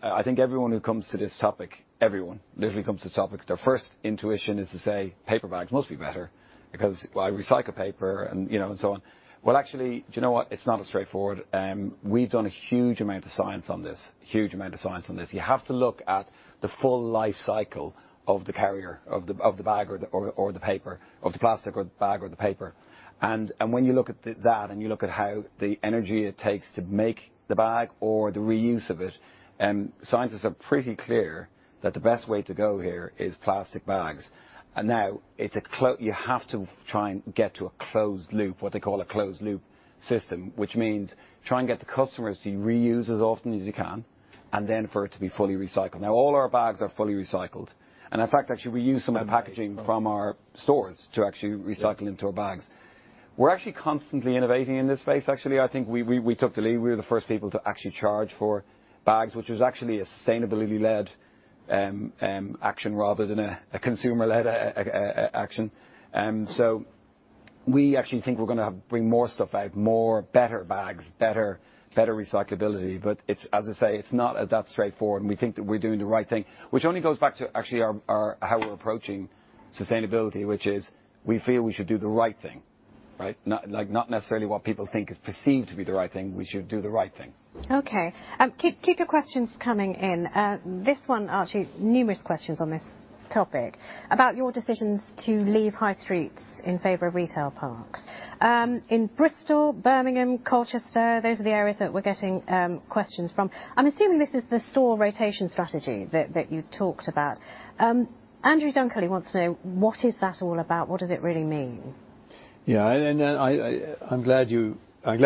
I think everyone who comes to this topic literally comes to this topic, their first intuition is to say paper bags must be better because I recycle paper and, you know, and so on. Well, actually, do you know what? It's not as straightforward. We've done a huge amount of science on this. You have to look at the full life cycle of the carrier bag or the paper, of the plastic or the bag or the paper. When you look at that and you look at how the energy it takes to make the bag or the reuse of it, scientists are pretty clear that the best way to go here is plastic bags. Now it's a closed loop, you have to try and get to a closed loop, what they call a closed loop system, which means try and get the customers to reuse as often as you can and then for it to be fully recycled. Now all our bags are fully recycled, and in fact, actually we use some of the packaging from our stores to actually recycle into our bags. We're actually constantly innovating in this space. Actually, I think we took the lead. We were the first people to actually charge for bags, which was actually a sustainability-led action rather than a consumer-led action. We actually think we're gonna bring more stuff out, more better bags, better recyclability. It's, as I say, not all that straightforward, and we think that we're doing the right thing, which only goes back to actually our how we're approaching sustainability, which is we feel we should do the right thing. Right? Not, like, not necessarily what people think is perceived to be the right thing. We should do the right thing. Okay. Keep your questions coming in. This one, Archie, numerous questions on this topic, about your decisions to leave high streets in favor of retail parks. In Bristol, Birmingham, Colchester, those are the areas that we're getting questions from. I'm assuming this is the store rotation strategy that you talked about. Andrew Dunkley wants to know, what is that all about? What does it really mean? Yeah. I’m glad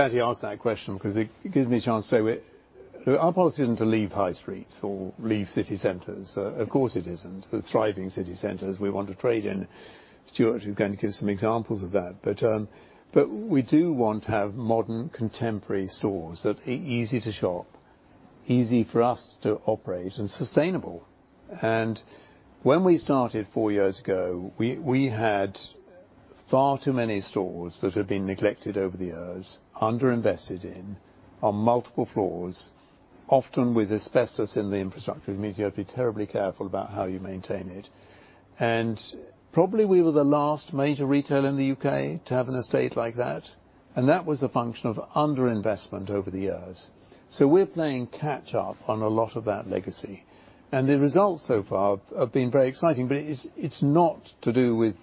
you asked that question because it gives me a chance to say our policy isn’t to leave high streets or leave city centers. Of course it isn’t. They’re thriving city centers we want to trade in. Stuart, you’re going to give some examples of that. But we do want to have modern, contemporary stores that are easy to shop, easy for us to operate, and sustainable. When we started four years ago, we had far too many stores that had been neglected over the years, under-invested in, on multiple floors, often with asbestos in the infrastructure, which means you have to be terribly careful about how you maintain it. Probably we were the last major retailer in the U.K. to have an estate like that, and that was a function of under-investment over the years. We're playing catch-up on a lot of that legacy. The results so far have been very exciting. It's not to do with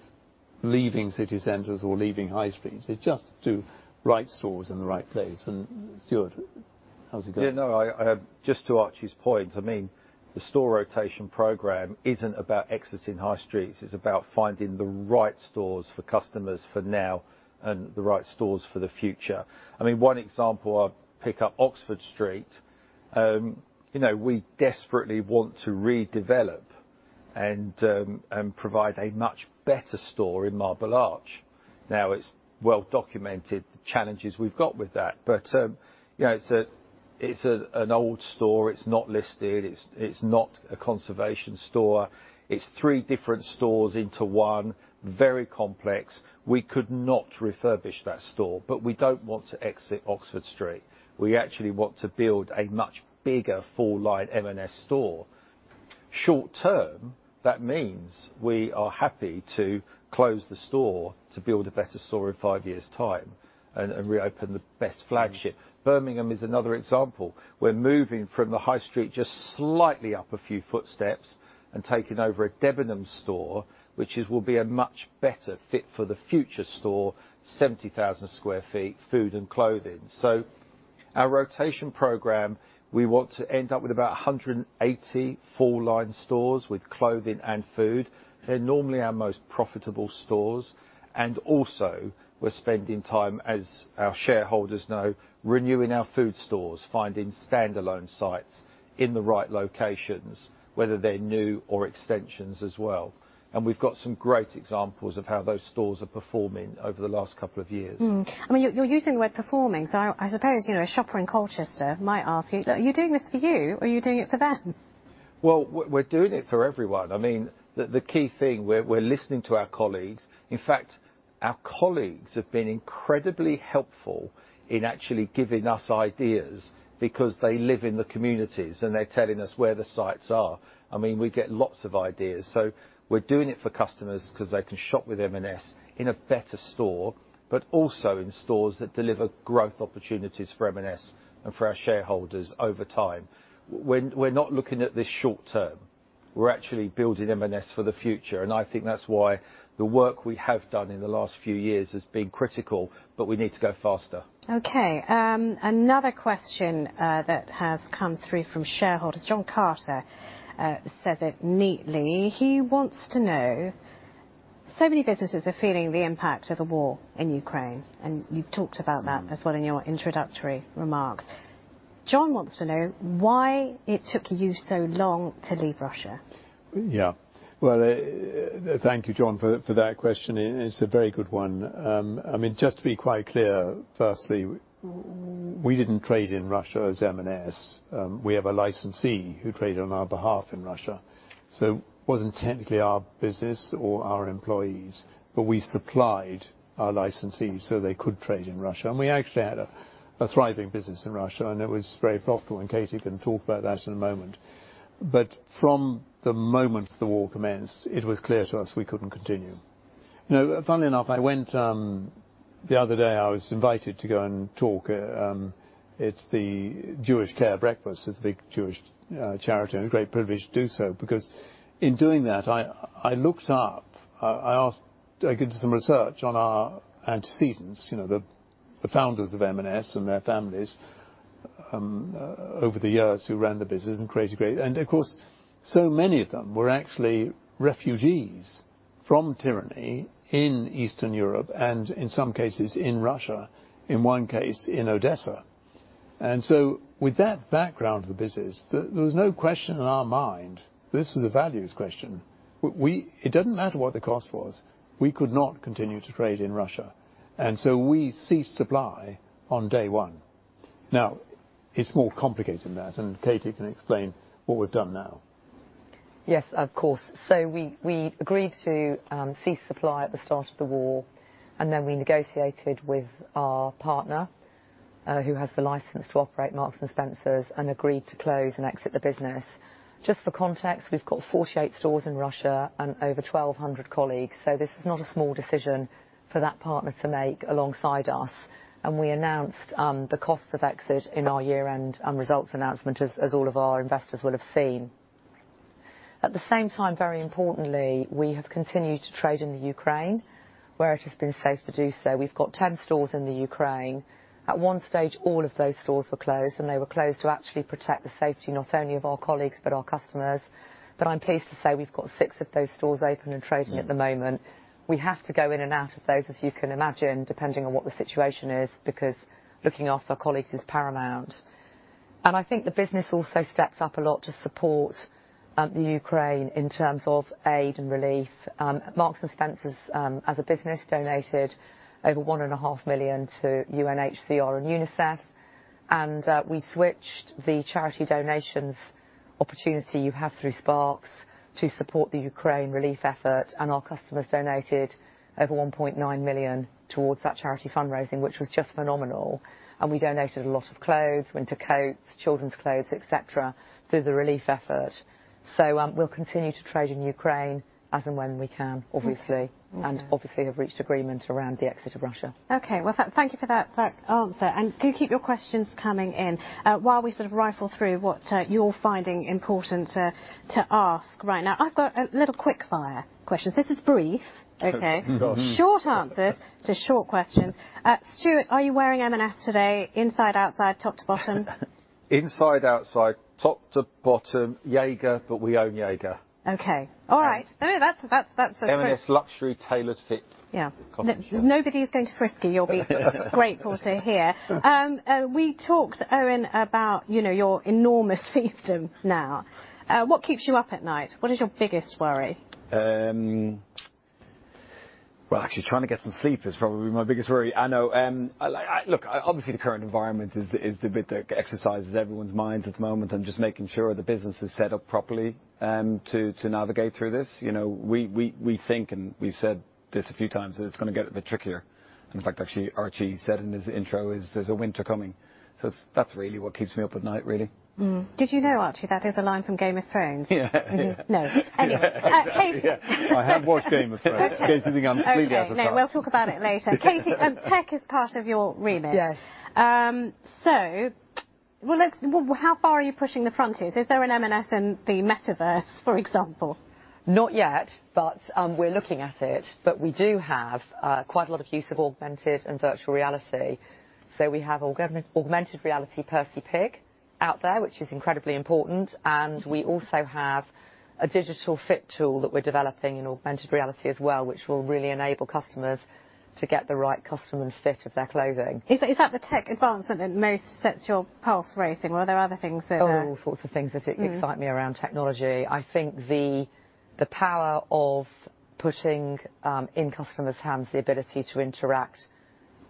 leaving city centers or leaving high streets, it's just to do right stores in the right place. Stuart, how's it going? Yeah. No. I just to Archie's point, I mean, the store rotation program isn't about exiting high streets, it's about finding the right stores for customers for now and the right stores for the future. I mean, one example I'll pick up, Oxford Street. You know, we desperately want to redevelop and provide a much better store in Marble Arch. Now, it's well documented the challenges we've got with that. You know, it's an old store. It's not listed. It's not a conservation store. It's three different stores into one. Very complex. We could not refurbish that store. We don't want to exit Oxford Street. We actually want to build a much bigger full line M&S store. Short-term, that means we are happy to close the store to build a better store in five years' time and reopen the best flagship. Birmingham is another example. We're moving from the high street just slightly up a few footsteps and taking over a Debenhams store, which will be a much better fit for the future store, 70,000 sq ft, food and clothing. Our rotation program, we want to end up with about 180 full line stores with clothing and food. They're normally our most profitable stores. Also, we're spending time, as our shareholders know, renewing our food stores, finding standalone sites in the right locations, whether they're new or extensions as well. We've got some great examples of how those stores are performing over the last couple of years. I mean, you're using the word performing, so I suppose, you know, a shopper in Colchester might ask you, "Are you doing this for you or are you doing it for them? Well, we're doing it for everyone. I mean, the key thing, we're listening to our colleagues. In fact, our colleagues have been incredibly helpful in actually giving us ideas because they live in the communities and they're telling us where the sites are. I mean, we get lots of ideas. We're doing it for customers 'cause they can shop with M&S in a better store, but also in stores that deliver growth opportunities for M&S and for our shareholders over time. We're not looking at this short term. We're actually building M&S for the future, and I think that's why the work we have done in the last few years has been critical, but we need to go faster. Okay. Another question that has come through from shareholders. John Carter says it neatly. He wants to know, so many businesses are feeling the impact of the war in Ukraine, and you've talked about that as well in your introductory remarks. John wants to know why it took you so long to leave Russia. Yeah. Well, thank you, John, for that question. It's a very good one. I mean, just to be quite clear, firstly, we didn't trade in Russia as M&S. We have a licensee who traded on our behalf in Russia, so it wasn't technically our business or our employees, but we supplied our licensee so they could trade in Russia. We actually had a thriving business in Russia, and it was very profitable, and Katie can talk about that in a moment. From the moment the war commenced, it was clear to us we couldn't continue. You know, funnily enough, I went. The other day I was invited to go and talk, it's the Jewish Care Business Breakfast. It's a big Jewish charity, and a great privilege to do so because in doing that, I looked up. I asked, I did some research on our antecedents, you know, the founders of M&S and their families over the years who ran the business and created great. Of course, so many of them were actually refugees from tyranny in Eastern Europe and in some cases in Russia, in one case in Odessa. With that background to the business, there was no question in our mind, this was a values question. It didn't matter what the cost was, we could not continue to trade in Russia. We ceased supply on day one. Now, it's more complicated than that, and Katie can explain what we've done now. Yes, of course. We agreed to cease supply at the start of the war, and then we negotiated with our partner, who has the license to operate Marks & Spencer, and agreed to close and exit the business. Just for context, we've got 48 stores in Russia and over 1,200 colleagues, so this is not a small decision for that partner to make alongside us, and we announced the cost of exit in our year-end results announcement, as all of our investors will have seen. At the same time, very importantly, we have continued to trade in the Ukraine, where it has been safe to do so. We've got 10 stores in the Ukraine. At one stage, all of those stores were closed, and they were closed to actually protect the safety not only of our colleagues, but our customers. I'm pleased to say we've got six of those stores open and trading at the moment. We have to go in and out of those, as you can imagine, depending on what the situation is because looking after our colleagues is paramount. I think the business also stepped up a lot to support Ukraine in terms of aid and relief. Marks & Spencer, as a business, donated over 1.5 million to UNHCR and UNICEF, and we switched the charity donations opportunity you have through Sparks to support the Ukraine relief effort, and our customers donated over 1.9 million towards that charity fundraising, which was just phenomenal. We donated a lot of clothes, winter coats, children's clothes, et cetera, through the relief effort. We'll continue to trade in Ukraine as and when we can, obviously. obviously have reached agreement around the exit of Russia. Okay. Well, thank you for that answer. Do keep your questions coming in. While we sort of rifle through what you're finding important to ask right now, I've got a little quick-fire questions. This is brief. Okay? Short answers to short questions. Stuart, are you wearing M&S today, inside, outside, top to bottom? Inside, outside, top to bottom. Jaeger, we own Jaeger. Okay. All right. No, no, that's. M&S luxury tailored fit. Yeah. Kind of thing. Nobody is going to risk it. You'll be grateful to hear. We talked, Eoin Tonge, about, you know, your enormous success now. What keeps you up at night? What is your biggest worry? Well, actually, trying to get some sleep is probably my biggest worry. I know, I. Look, obviously, the current environment is the bit that exercises everyone's minds at the moment. I'm just making sure the business is set up properly to navigate through this. You know, we think, and we've said this a few times, that it's gonna get a bit trickier. In fact, actually, Archie said in his intro, there's a winter coming. That's really what keeps me up at night, really. Did you know, Archie, that is a line from Game of Thrones? Yeah. No. Anyway. Katie. I have watched Game of Thrones. In case you think I'm completely out of touch. Okay. No, we'll talk about it later. Katie, tech is part of your remit. Yes. Well, how far are you pushing the frontiers? Is there an M&S in the metaverse, for example? Not yet, but we're looking at it. We do have quite a lot of use of augmented and virtual reality. We have augmented reality Percy Pig out there, which is incredibly important, and we also have a digital fit tool that we're developing in augmented reality as well, which will really enable customers to get the right size and fit of their clothing. Is that the tech advancement that most sets your pulse racing, or are there other things. Oh, all sorts of things that excite me around technology. I think the power of putting in customers' hands the ability to interact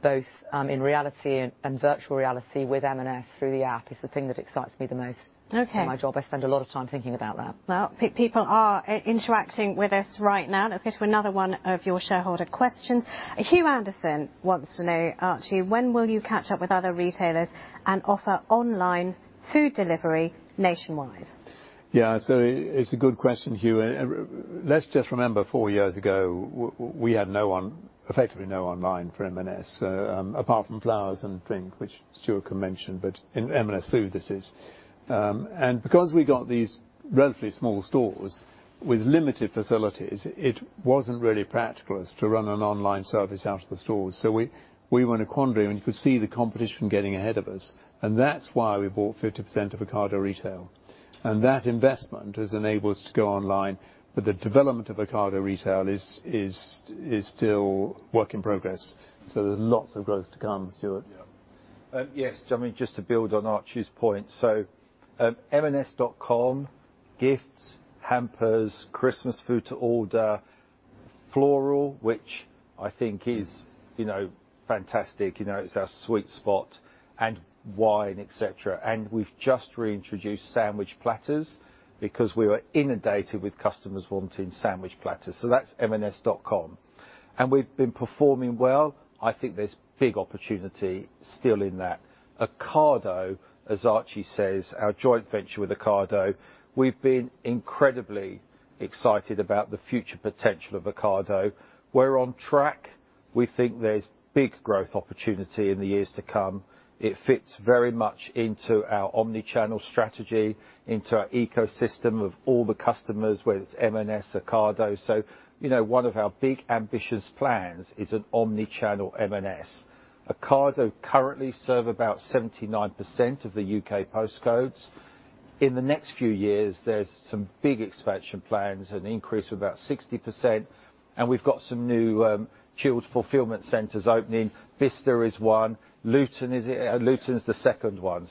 both in reality and virtual reality with M&S through the app is the thing that excites me the most. Okay In my job. I spend a lot of time thinking about that. Well, people are interacting with us right now. Let's go to another one of your shareholder questions. Hugh Anderson wants to know, Archie, when will you catch up with other retailers and offer online food delivery nationwide? Yeah. It's a good question, Hugh, and let's just remember four years ago, we had effectively no online for M&S, apart from flowers and drink, which Stuart can mention, but in M&S Food, this is. Because we got these relatively small stores with limited facilities, it wasn't really practical to run an online service out of the stores. We were in a quandary, and you could see the competition getting ahead of us, and that's why we bought 50% of Ocado Retail, and that investment has enabled us to go online. The development of Ocado Retail is still work in progress. There's lots of growth to come, Stuart. Yeah. Yes. I mean, just to build on Archie's point. Marksandspencer.com, gifts, hampers, Christmas food to order, floral, which I think is, you know, fantastic, you know, it's our sweet spot, and wine, et cetera, and we've just reintroduced sandwich platters because we were inundated with customers wanting sandwich platters. That's marksandspencer.com. We've been performing well. I think there's big opportunity still in that. Ocado, as Archie says, our joint venture with Ocado, we've been incredibly excited about the future potential of Ocado. We're on track. We think there's big growth opportunity in the years to come. It fits very much into our omni-channel strategy, into our ecosystem of all the customers, whether it's M&S, Ocado. You know, one of our big ambitious plans is an omni-channel M&S. Ocado currently serve about 79% of the U.K. post codes. In the next few years, there's some big expansion plans, an increase of about 60%, and we've got some new chilled fulfillment centers opening. Bicester is one. Luton is it? Luton's the second one.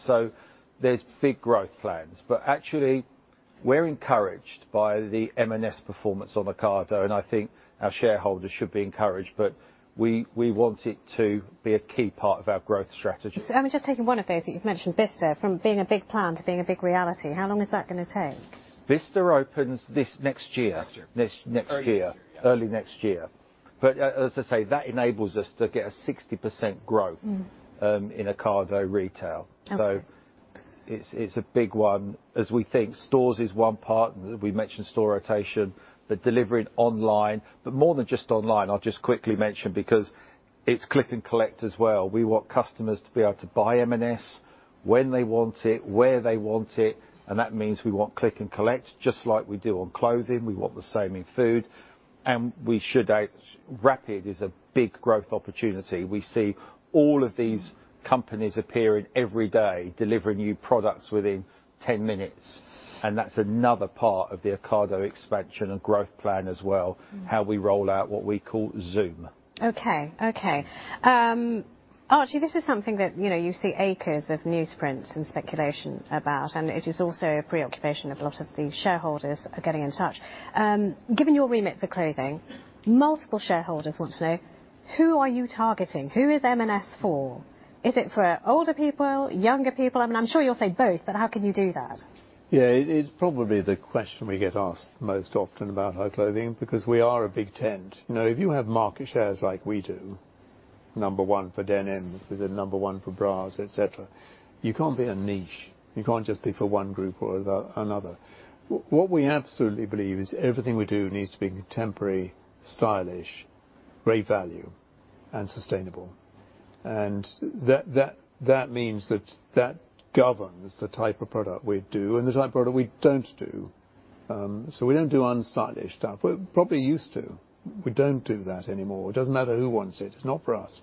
There's big growth plans. Actually, we're encouraged by the M&S performance on Ocado, and I think our shareholders should be encouraged. We want it to be a key part of our growth strategy. Let me just take you one of those that you've mentioned, Bicester, from being a big plan to being a big reality. How long is that gonna take? Bicester opens this next year. Next year. This next year. Early next year. Yeah. Early next year. As I say, that enables us to get a 60% growth. Mm. in Ocado Retail. Okay. It's a big one as we think stores is one part. We mentioned store rotation, but delivering online. More than just online, I'll just quickly mention, because it's click and collect as well. We want customers to be able to buy M&S when they want it, where they want it, and that means we want click and collect. Just like we do on clothing, we want the same in food. Rapid is a big growth opportunity. We see all of these companies appearing every day, delivering new products within 10 minutes, and that's another part of the Ocado expansion and growth plan as well, how we roll out what we call Zoom. Okay. Archie, this is something that, you know, you see acres of newsprint and speculation about, and it is also a preoccupation of a lot of the shareholders who are getting in touch. Given your remit for clothing, multiple shareholders want to know. Who are you targeting? Who is M&S for? Is it for older people, younger people? I mean, I'm sure you'll say both, but how can you do that? Yeah. It's probably the question we get asked most often about our clothing because we are a big tent. You know, if you have market shares like we do, number one for denims, we're the number one for bras, et cetera, you can't be a niche. You can't just be for one group or another. What we absolutely believe is everything we do needs to be contemporary, stylish, great value, and sustainable. That means that governs the type of product we do and the type of product we don't do. We don't do unstylish stuff. We probably used to. We don't do that anymore. It doesn't matter who wants it. It's not for us.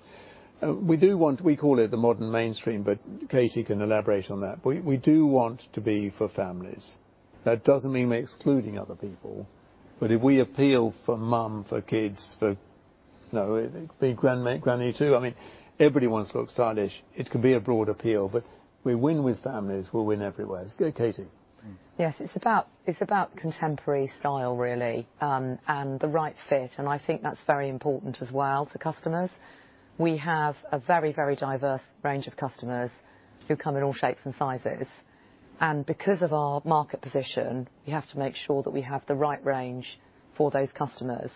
We call it the modern mainstream, but Katie can elaborate on that. We do want to be for families. That doesn't mean we're excluding other people, but if we appeal for mom, for kids, you know, it could be granny, too. I mean, everybody wants to look stylish. It can be a broad appeal, but we win with families, we'll win everywhere. Go Katie. Yes, it's about contemporary style really, and the right fit, and I think that's very important as well to customers. We have a very, very diverse range of customers who come in all shapes and sizes. Because of our market position, we have to make sure that we have the right range for those customers.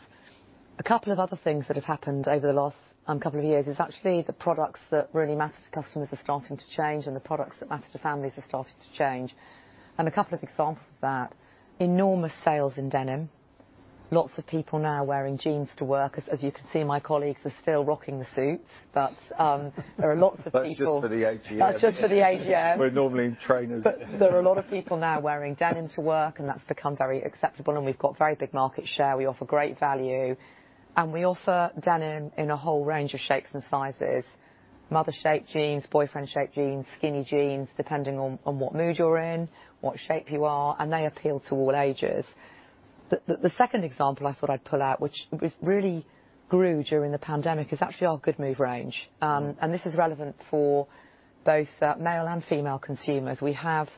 A couple of other things that have happened over the last couple of years is actually the products that really matter to customers are starting to change, and the products that matter to families are starting to change. A couple of examples of that, enormous sales in denim. Lots of people now are wearing jeans to work. As you can see, my colleagues are still rocking the suits, but there are lots of people. That's just for the AGM. That's just for the AGM. We're normally in trainers. There are a lot of people now wearing denim to work, and that's become very acceptable, and we've got very big market share. We offer great value, and we offer denim in a whole range of shapes and sizes. Mom shape jeans, boyfriend shape jeans, skinny jeans, depending on what mood you're in, what shape you are, and they appeal to all ages. The second example I thought I'd pull out, which really grew during the pandemic, is actually our Goodmove range. And this is relevant for both male and female consumers. We have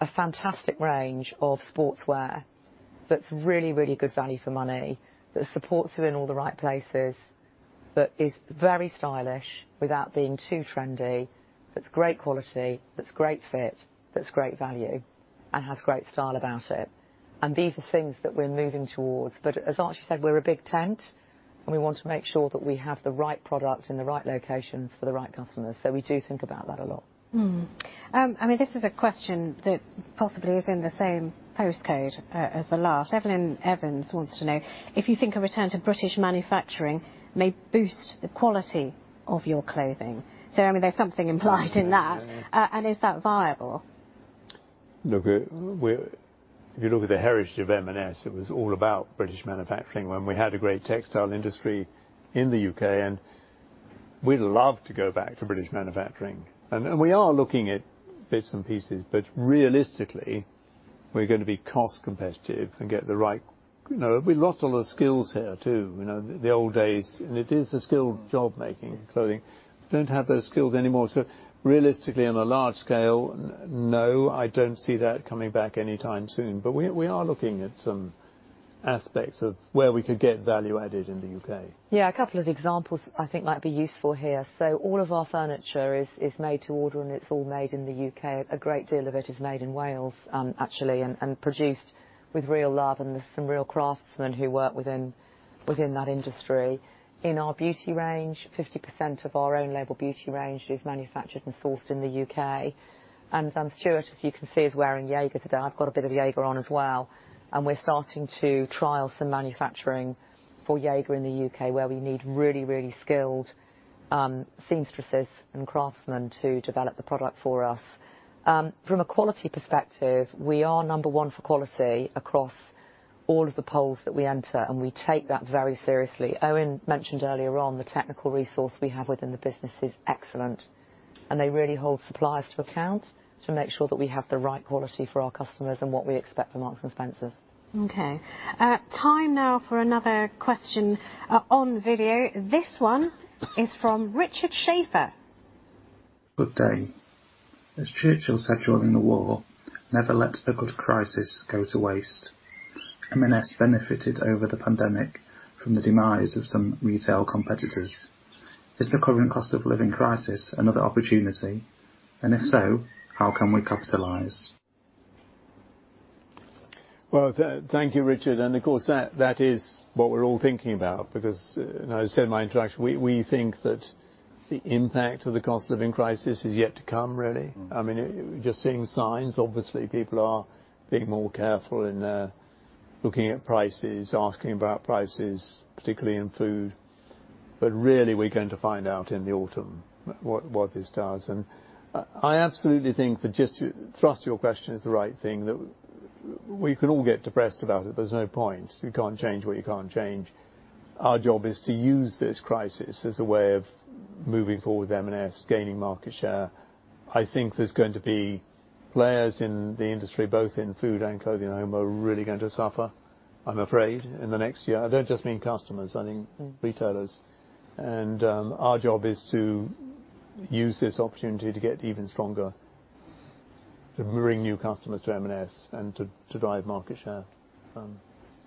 a fantastic range of sportswear that's really, really good value for money, that supports you in all the right places, but is very stylish without being too trendy. That's great quality, that's great fit, that's great value, and has great style about it, and these are things that we're moving towards. As Archie said, we're a big tent, and we want to make sure that we have the right product in the right locations for the right customers. We do think about that a lot. I mean, this is a question that possibly is in the same postcode as the last. Evelyn Evans wants to know if you think a return to British manufacturing may boost the quality of your clothing. I mean, there's something implied in that. Yeah. Is that viable? If you look at the heritage of M&S, it was all about British manufacturing when we had a great textile industry in the U.K., and we'd love to go back to British manufacturing. We are looking at bits and pieces, but realistically, we're gonna be cost competitive and get the right. You know, we lost all the skills here, too. You know, the old days, and it is a skilled job making clothing. Don't have those skills anymore. Realistically, on a large scale, no, I don't see that coming back anytime soon. We are looking at some aspects of where we could get value added in the U.K.. Yeah. A couple of examples I think might be useful here. All of our furniture is made to order, and it's all made in the U.K.. A great deal of it is made in Wales, actually, and produced with real love, and there's some real craftsmen who work within that industry. In our beauty range, 50% of our own label beauty range is manufactured and sourced in the U.K.. Stuart, as you can see, is wearing Jaeger today. I've got a bit of Jaeger on as well, and we're starting to trial some manufacturing for Jaeger in the U.K., where we need really skilled seamstresses and craftsmen to develop the product for us. From a quality perspective, we are number one for quality across all of the polls that we enter, and we take that very seriously. Eoin Tonge mentioned earlier on the technical resource we have within the business is excellent, and they really hold suppliers to account to make sure that we have the right quality for our customers and what we expect from Marks & Spencer. Okay. Time now for another question, on video. This one is from Richard Schaefer. Good day. As Churchill said during the war, never let a good crisis go to waste. M&S benefited over the pandemic from the demise of some retail competitors. Is the current cost of living crisis another opportunity, and if so, how can we capitalize? Well, thank you, Richard. Of course, that is what we're all thinking about because, you know, I said in my introduction, we think that the impact of the cost of living crisis is yet to come really. Mm. I mean, just seeing signs, obviously people are being more careful in their looking at prices, asking about prices, particularly in food. Really we're going to find out in the autumn what this does. I absolutely think that just the thrust of your question is the right thing that we can all get depressed about it. There's no point. You can't change what you can't change. Our job is to use this crisis as a way of moving forward with M&S, gaining market share. I think there's going to be players in the industry, both in food and clothing, and we're really going to suffer, I'm afraid, in the next year. I don't just mean customers, I mean retailers. Our job is to use this opportunity to get even stronger, to bring new customers to M&S and to drive market share.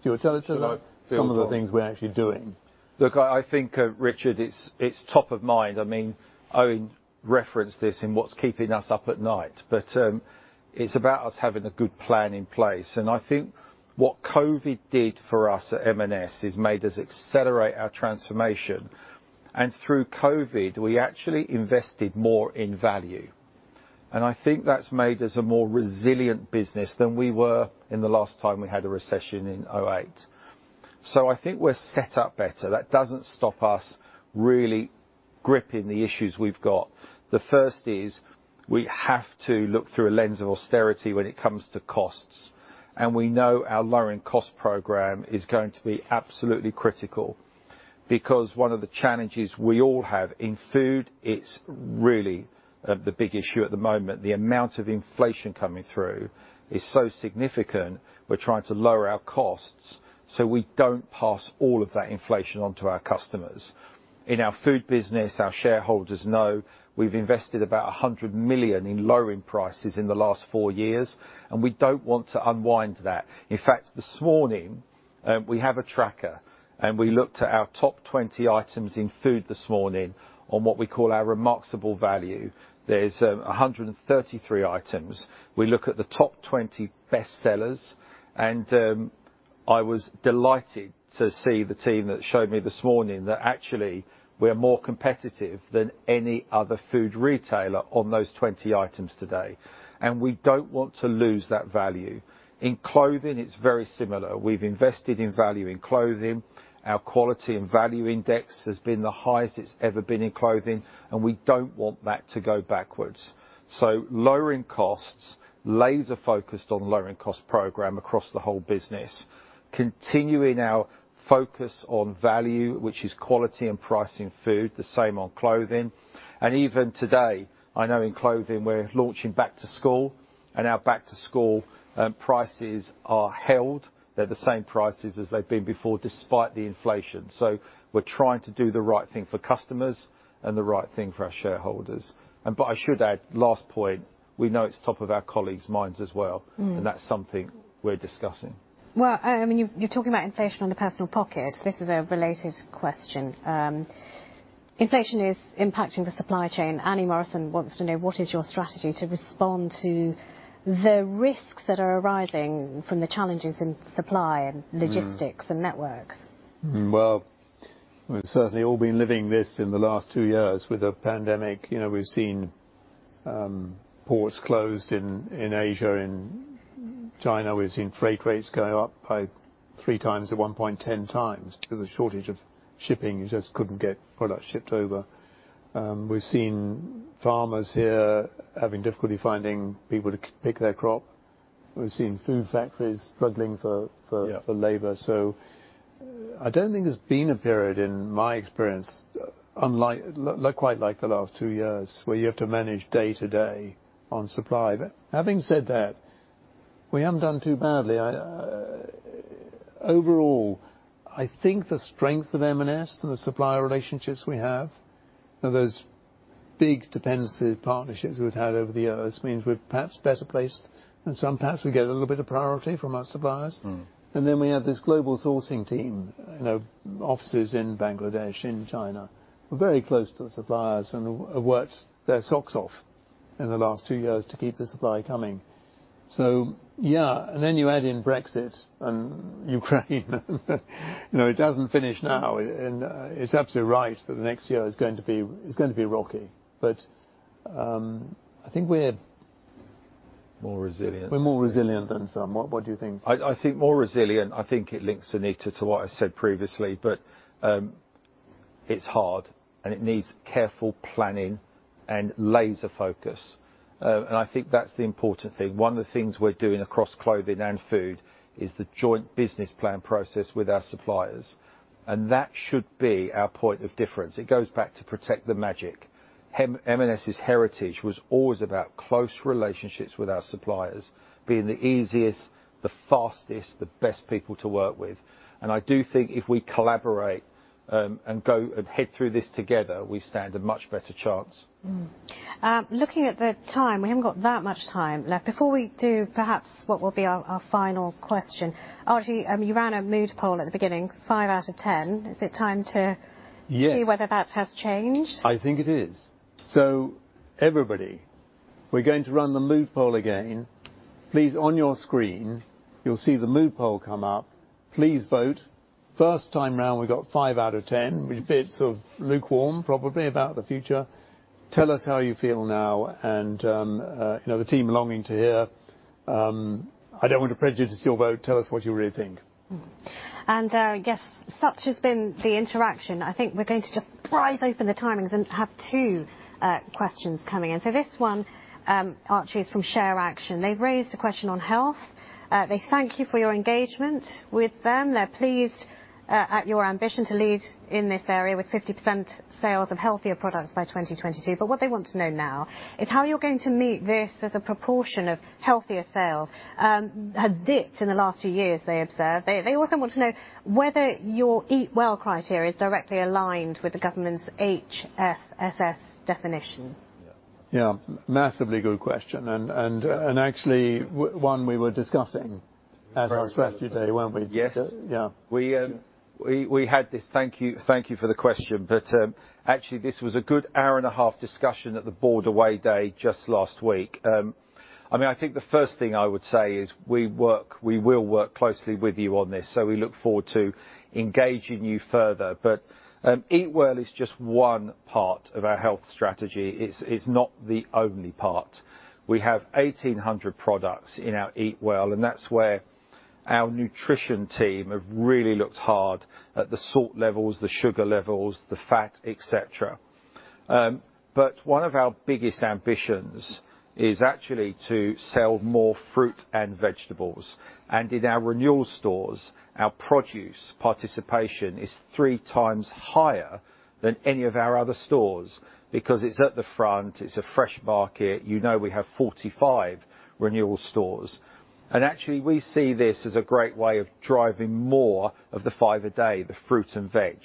Stuart, tell us about some of the things we're actually doing. Look, I think, Richard, it's top of mind. I mean, Eoin referenced this in what's keeping us up at night. It's about us having a good plan in place. I think what COVID did for us at M&S is made us accelerate our transformation. Through COVID, we actually invested more in value. I think that's made us a more resilient business than we were in the last time we had a recession in 2008. I think we're set up better. That doesn't stop us really gripping the issues we've got. The first is we have to look through a lens of austerity when it comes to costs, and we know our lowering cost program is going to be absolutely critical. Because one of the challenges we all have in food, it's really the big issue at the moment. The amount of inflation coming through is so significant. We're trying to lower our costs, so we don't pass all of that inflation on to our customers. In our food business, our shareholders know we've invested about 100 million in lowering prices in the last four years, and we don't want to unwind that. In fact, this morning, we have a tracker, and we looked at our top 20 items in food this morning on what we call our remarkable value. There's 133 items. We look at the top 20 best sellers, and I was delighted to see the team that showed me this morning that actually we're more competitive than any other food retailer on those 20 items today, and we don't want to lose that value. In clothing, it's very similar. We've invested in value in clothing. Our quality and value index has been the highest it's ever been in clothing, and we don't want that to go backwards. Lowering costs, laser-focused on lowering cost program across the whole business, continuing our focus on value, which is quality and price in food, the same on clothing. Even today, I know in clothing we're launching back-to-school, and our back-to-school prices are held. They're the same prices as they've been before, despite the inflation. We're trying to do the right thing for customers and the right thing for our shareholders. I should add, last point, we know it's top of our colleagues' minds as well. That's something we're discussing. Well, I mean, you're talking about inflation on the personal pocket. This is a related question. Inflation is impacting the supply chain. Annie Morrison wants to know what is your strategy to respond to the risks that are arising from the challenges in supply and logistics and networks? Well, we've certainly all been living this in the last two years with the pandemic. You know, we've seen ports closed in Asia, in China. We've seen freight rates go up by 3x at one point, 10x due to the shortage of shipping. You just couldn't get product shipped over. We've seen farmers here having difficulty finding people to pick their crop. We've seen food factories struggling for labor. Yeah. I don't think there's been a period in my experience quite like the last two years where you have to manage day to day on supply. Having said that, we haven't done too badly. Overall, I think the strength of M&S and the supplier relationships we have, those big, defensive partnerships we've had over the years means we're perhaps better placed, and sometimes we get a little bit of priority from our suppliers. Then we have this global sourcing team, you know, offices in Bangladesh, in China, very close to the suppliers and have worked their socks off in the last two years to keep the supply coming. Yeah, and then you add in Brexit and Ukraine, you know, it doesn't finish now. It's absolutely right that the next year is going to be, it's going to be rocky. I think we're more resilient. We're more resilient than some. What do you think? I think more resilient. I think it links, Anita, to what I said previously, but it's hard and it needs careful planning and laser focus. I think that's the important thing. One of the things we're doing across clothing and food is the joint business plan process with our suppliers, and that should be our point of difference. It goes back to protect the magic. M&S's heritage was always about close relationships with our suppliers being the easiest, the fastest, the best people to work with. I do think if we collaborate and go ahead through this together, we stand a much better chance. Looking at the time, we haven't got that much time left. Before we do perhaps what will be our final question. Actually, you ran a mood poll at the beginning, five out of 10. Is it time to. Yes See whether that has changed? I think it is. Everybody, we're going to run the mood poll again. Please, on your screen, you'll see the mood poll come up. Please vote. First time around, we got five out of 10, which a bit sort of lukewarm probably about the future. Tell us how you feel now, and the team longing to hear. I don't want to prejudice your vote. Tell us what you really think. Yes, such has been the interaction. I think we're going to just pry open the timings and have two questions coming in. This one, Archie, is from ShareAction. They've raised a question on health. They thank you for your engagement with them. They're pleased at your ambition to lead in this area with 50% sales of healthier products by 2022. But what they want to know now is how you're going to meet this as a proportion of healthier sales has dipped in the last few years, they observe. They also want to know whether your Eat Well criteria is directly aligned with the government's HFSS definition. Yeah. Massively good question, and actually one we were discussing at our strategy day. Very. Weren't we? Yes. Yeah. Thank you for the question. Actually, this was a good hour and a half discussion at the board away day just last week. I mean, I think the first thing I would say is we will work closely with you on this, so we look forward to engaging you further. Eat Well is just one part of our health strategy. It's not the only part. We have 1,800 products in our Eat Well, and that's where our nutrition team have really looked hard at the salt levels, the sugar levels, the fat, et cetera. One of our biggest ambitions is actually to sell more fruit and vegetables. In our renewal stores, our produce participation is three times higher than any of our other stores because it's at the front, it's a fresh market. You know, we have 45 renewal stores. Actually we see this as a great way of driving more of the five a day, the fruit and veg.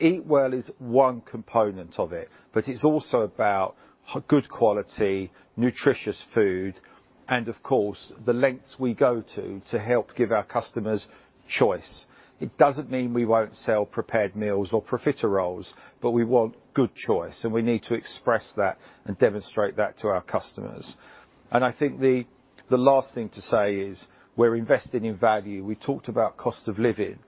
Eat Well is one component of it, but it's also about good quality, nutritious food and, of course, the lengths we go to to help give our customers choice. It doesn't mean we won't sell prepared meals or profiteroles, but we want good choice, and we need to express that and demonstrate that to our customers. I think the last thing to say is we're investing in value. We talked about cost of living.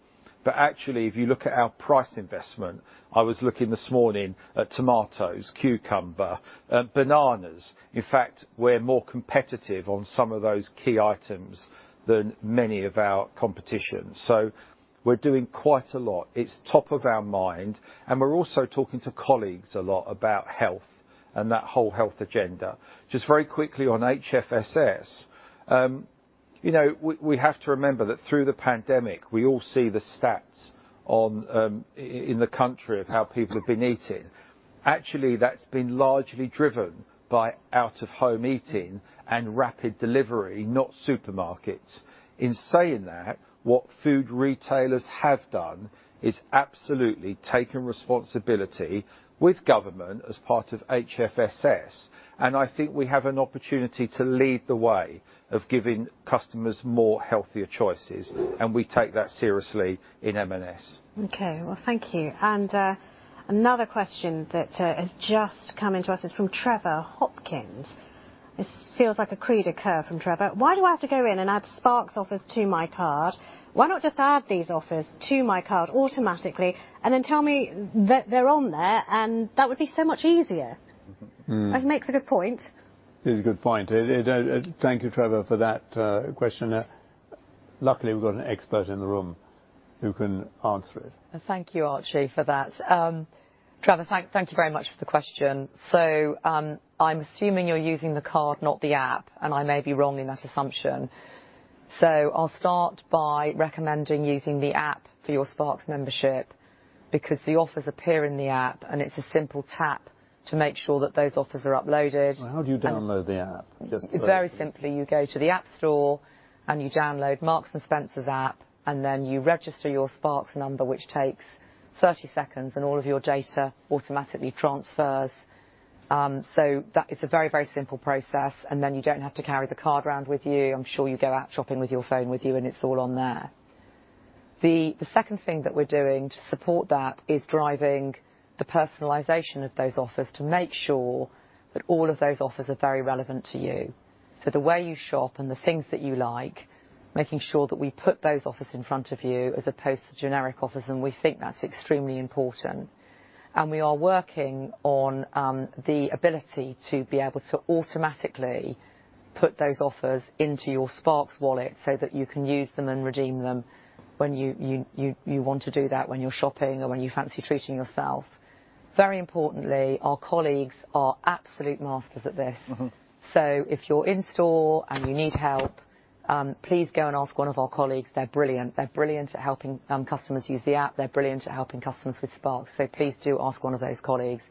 Actually, if you look at our price investment, I was looking this morning at tomatoes, cucumber, bananas. In fact, we're more competitive on some of those key items than many of our competition. We're doing quite a lot. It's top of our mind, and we're also talking to colleagues a lot about health and that whole health agenda. Just very quickly on HFSS. You know, we have to remember that through the pandemic, we all see the stats on in the country of how people have been eating. Actually, that's been largely driven by out-of-home eating and rapid delivery, not supermarkets. In saying that, what food retailers have done is absolutely taken responsibility with government as part of HFSS, and I think we have an opportunity to lead the way of giving customers more healthier choices, and we take that seriously in M&S. Okay. Well, thank you. Another question that has just come in to us is from Trevor Hopkins. This feels like a cri de cœur from Trevor. Why do I have to go in and add Sparks offers to my card? Why not just add these offers to my card automatically and then tell me that they're on there and that would be so much easier? I think he makes a good point. It is a good point. Thank you, Trevor, for that question. Luckily, we've got an expert in the room who can answer it. Thank you, Archie, for that. Trevor, thank you very much for the question. I'm assuming you're using the card, not the app, and I may be wrong in that assumption. I'll start by recommending using the app for your Sparks membership because the offers appear in the app, and it's a simple tap to make sure that those offers are uploaded and. How do you download the app? Very simply. You go to the App Store and you download Marks & Spencer's app, and then you register your Sparks number, which takes 30 seconds, and all of your data automatically transfers. That is a very, very simple process, then you don't have to carry the card around with you. I'm sure you go out shopping with your phone with you and it's all on there. The second thing that we're doing to support that is driving the personalization of those offers to make sure that all of those offers are very relevant to you. The way you shop and the things that you like, making sure that we put those offers in front of you as opposed to generic offers, and we think that's extremely important. We are working on the ability to be able to automatically put those offers into your Sparks wallet so that you can use them and redeem them when you want to do that, when you're shopping or when you fancy treating yourself. Very importantly, our colleagues are absolute masters at this. If you're in store and you need help, please go and ask one of our colleagues. They're brilliant. They're brilliant at helping customers use the app. They're brilliant at helping customers with Sparks. Please do ask one of those colleagues.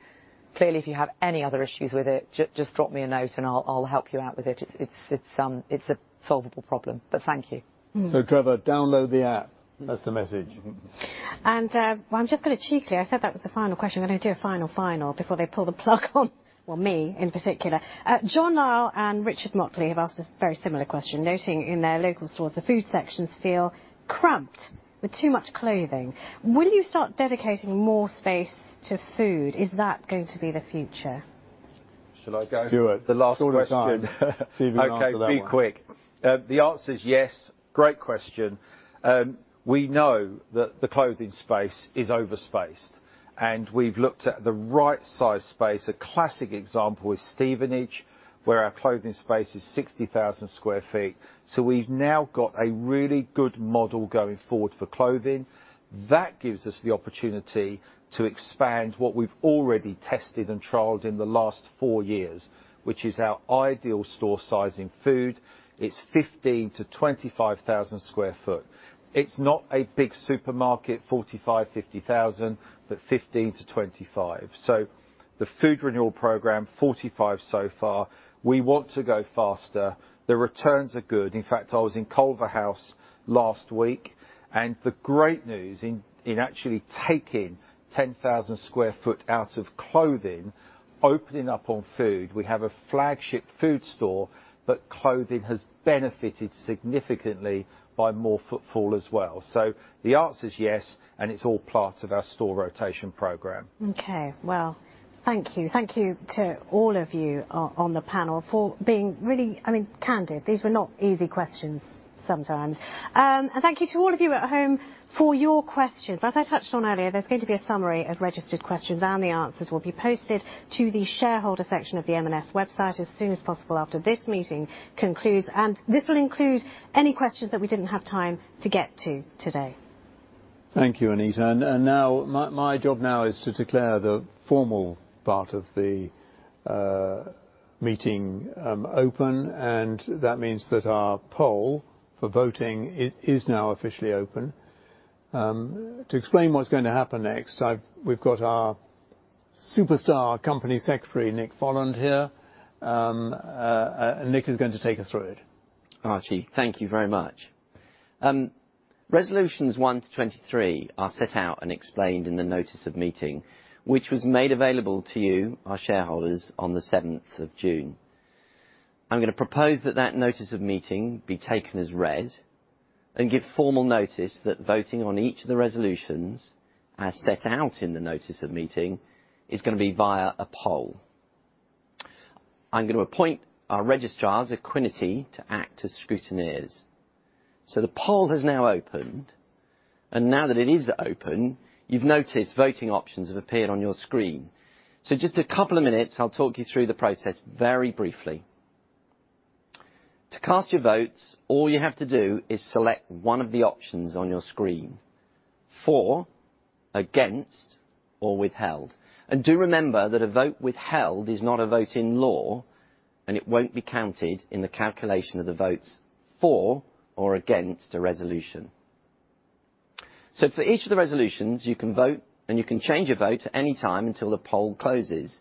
Clearly, if you have any other issues with it, just drop me a note and I'll help you out with it. It's a solvable problem. Thank you. Trevor, download the app. That's the message. Well, I'm just gonna cheekily, I said that was the final question. I'm gonna do a final final before they pull the plug on well, me in particular. John Nile and Richard Motley have asked a very similar question, noting in their local stores, the food sections feel cramped with too much clothing. Will you start dedicating more space to food? Is that going to be the future? Shall I go? Do it. The last question. It's all yours. Steve, you can answer that one. Okay, be quick. The answer is yes. Great question. We know that the clothing space is overspaced, and we've looked at the right-sized space. A classic example is Stevenage, where our clothing space is 60,000 sq ft. We've now got a really good model going forward for clothing. That gives us the opportunity to expand what we've already tested and trialed in the last four years, which is our ideal store size in food. It's 15,000 sq ft-25,000 sq ft. It's not a big supermarket, 45,000 sq ft, 50,000 sq ft, but 15,000 sq ft-25,000 sq ft. The food renewal program, 45 so far, we want to go faster. The returns are good. In fact, I was in Culverhouse Cross last week, and the great news in actually taking 10,000 sq ft out of clothing, opening up on food, we have a flagship food store, but clothing has benefited significantly by more footfall as well. The answer is yes, and it's all part of our store rotation program. Okay. Well, thank you. Thank you to all of you on the panel for being really, I mean, candid. These were not easy questions sometimes. And thank you to all of you at home for your questions. As I touched on earlier, there's going to be a summary of registered questions, and the answers will be posted to the shareholder section of the M&S website as soon as possible after this meeting concludes. This will include any questions that we didn't have time to get to today. Thank you, Anita. Now my job is to declare the formal part of the meeting open, and that means that our poll for voting is now officially open. To explain what's going to happen next, we've got our superstar company secretary, Nick Folland here. Nick is going to take us through it. Archie, thank you very much. Resolutions one to 23 are set out and explained in the notice of meeting, which was made available to you, our shareholders, on the 7th of June. I'm gonna propose that that notice of meeting be taken as read and give formal notice that voting on each of the resolutions as set out in the notice of meeting is gonna be via a poll. I'm gonna appoint our registrar as Equiniti to act as scrutineers. The poll has now opened, and now that it is open, you've noticed voting options have appeared on your screen. Just a couple of minutes, I'll talk you through the process very briefly. To cast your votes, all you have to do is select one of the options on your screen, for, against, or withheld. Do remember that a vote withheld is not a vote in law, and it won't be counted in the calculation of the votes for or against a resolution. For each of the resolutions, you can vote, and you can change your vote at any time until the poll closes.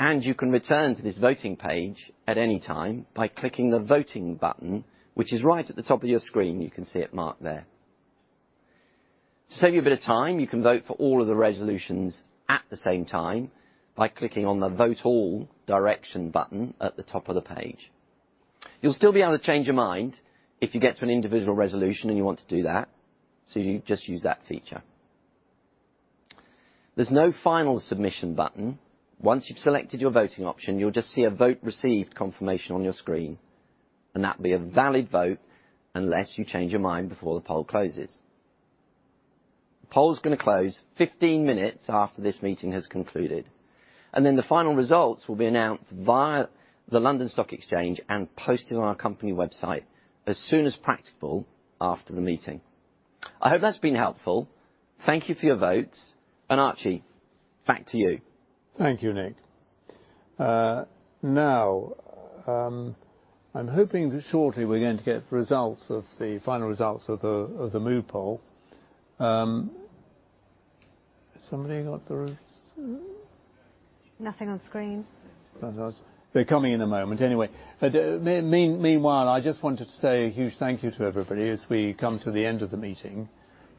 You can return to this voting page at any time by clicking the Voting button, which is right at the top of your screen. You can see it marked there. To save you a bit of time, you can vote for all of the resolutions at the same time by clicking on the Vote All direction button at the top of the page. You'll still be able to change your mind if you get to an individual resolution and you want to do that. You just use that feature. There's no final submission button. Once you've selected your voting option, you'll just see a Vote Received confirmation on your screen, and that'll be a valid vote unless you change your mind before the poll closes. The poll is gonna close 15 minutes after this meeting has concluded, and then the final results will be announced via the London Stock Exchange and posted on our company website as soon as practical after the meeting. I hope that's been helpful. Thank you for your votes. Archie Norman, back to you. Thank you, Nick. Now, I'm hoping that shortly we're going to get the final results of the mood poll. Has somebody got the results? Nothing on screen. They're coming in a moment anyway. Meanwhile, I just wanted to say a huge thank you to everybody as we come to the end of the meeting.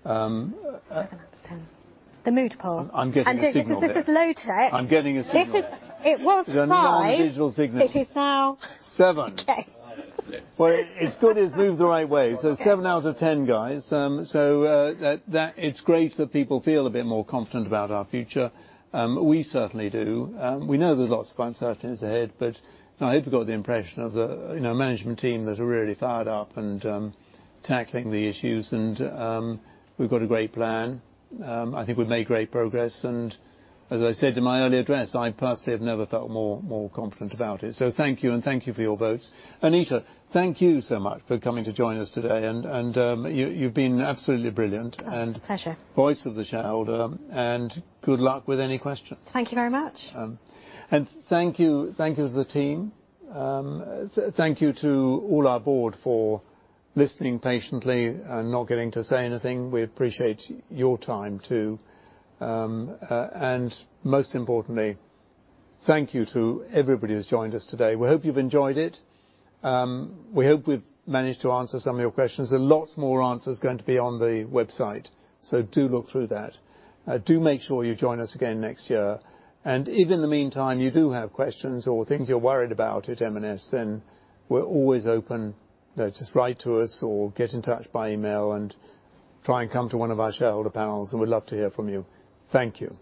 seven out of 10. The mood poll. I'm getting a signal here. This is low tech. I'm getting a signal. It was five. The non-digital signal. It is now. Seven. Okay. Well, it's good it's moved the right way. Okay. seven out of 10, guys. It's great that people feel a bit more confident about our future. We certainly do. We know there's lots of uncertainties ahead, but I hope you got the impression of the, you know, management team that are really fired up and tackling the issues. We've got a great plan. I think we've made great progress. As I said in my earlier address, I personally have never felt more confident about it. Thank you and thank you for your votes. Anita, thank you so much for coming to join us today. You've been absolutely brilliant. Oh, pleasure. Voice of the shareholder, and good luck with any questions. Thank you very much. Thank you to the team. Thank you to all our board for listening patiently and not getting to say anything. We appreciate your time too. Most importantly, thank you to everybody who's joined us today. We hope you've enjoyed it. We hope we've managed to answer some of your questions. There are lots more answers going to be on the website, so do look through that. Do make sure you join us again next year. If in the meantime you do have questions or things you're worried about at M&S, then we're always open. Just write to us or get in touch by email and try and come to one of our shareholder panels, and we'd love to hear from you. Thank you.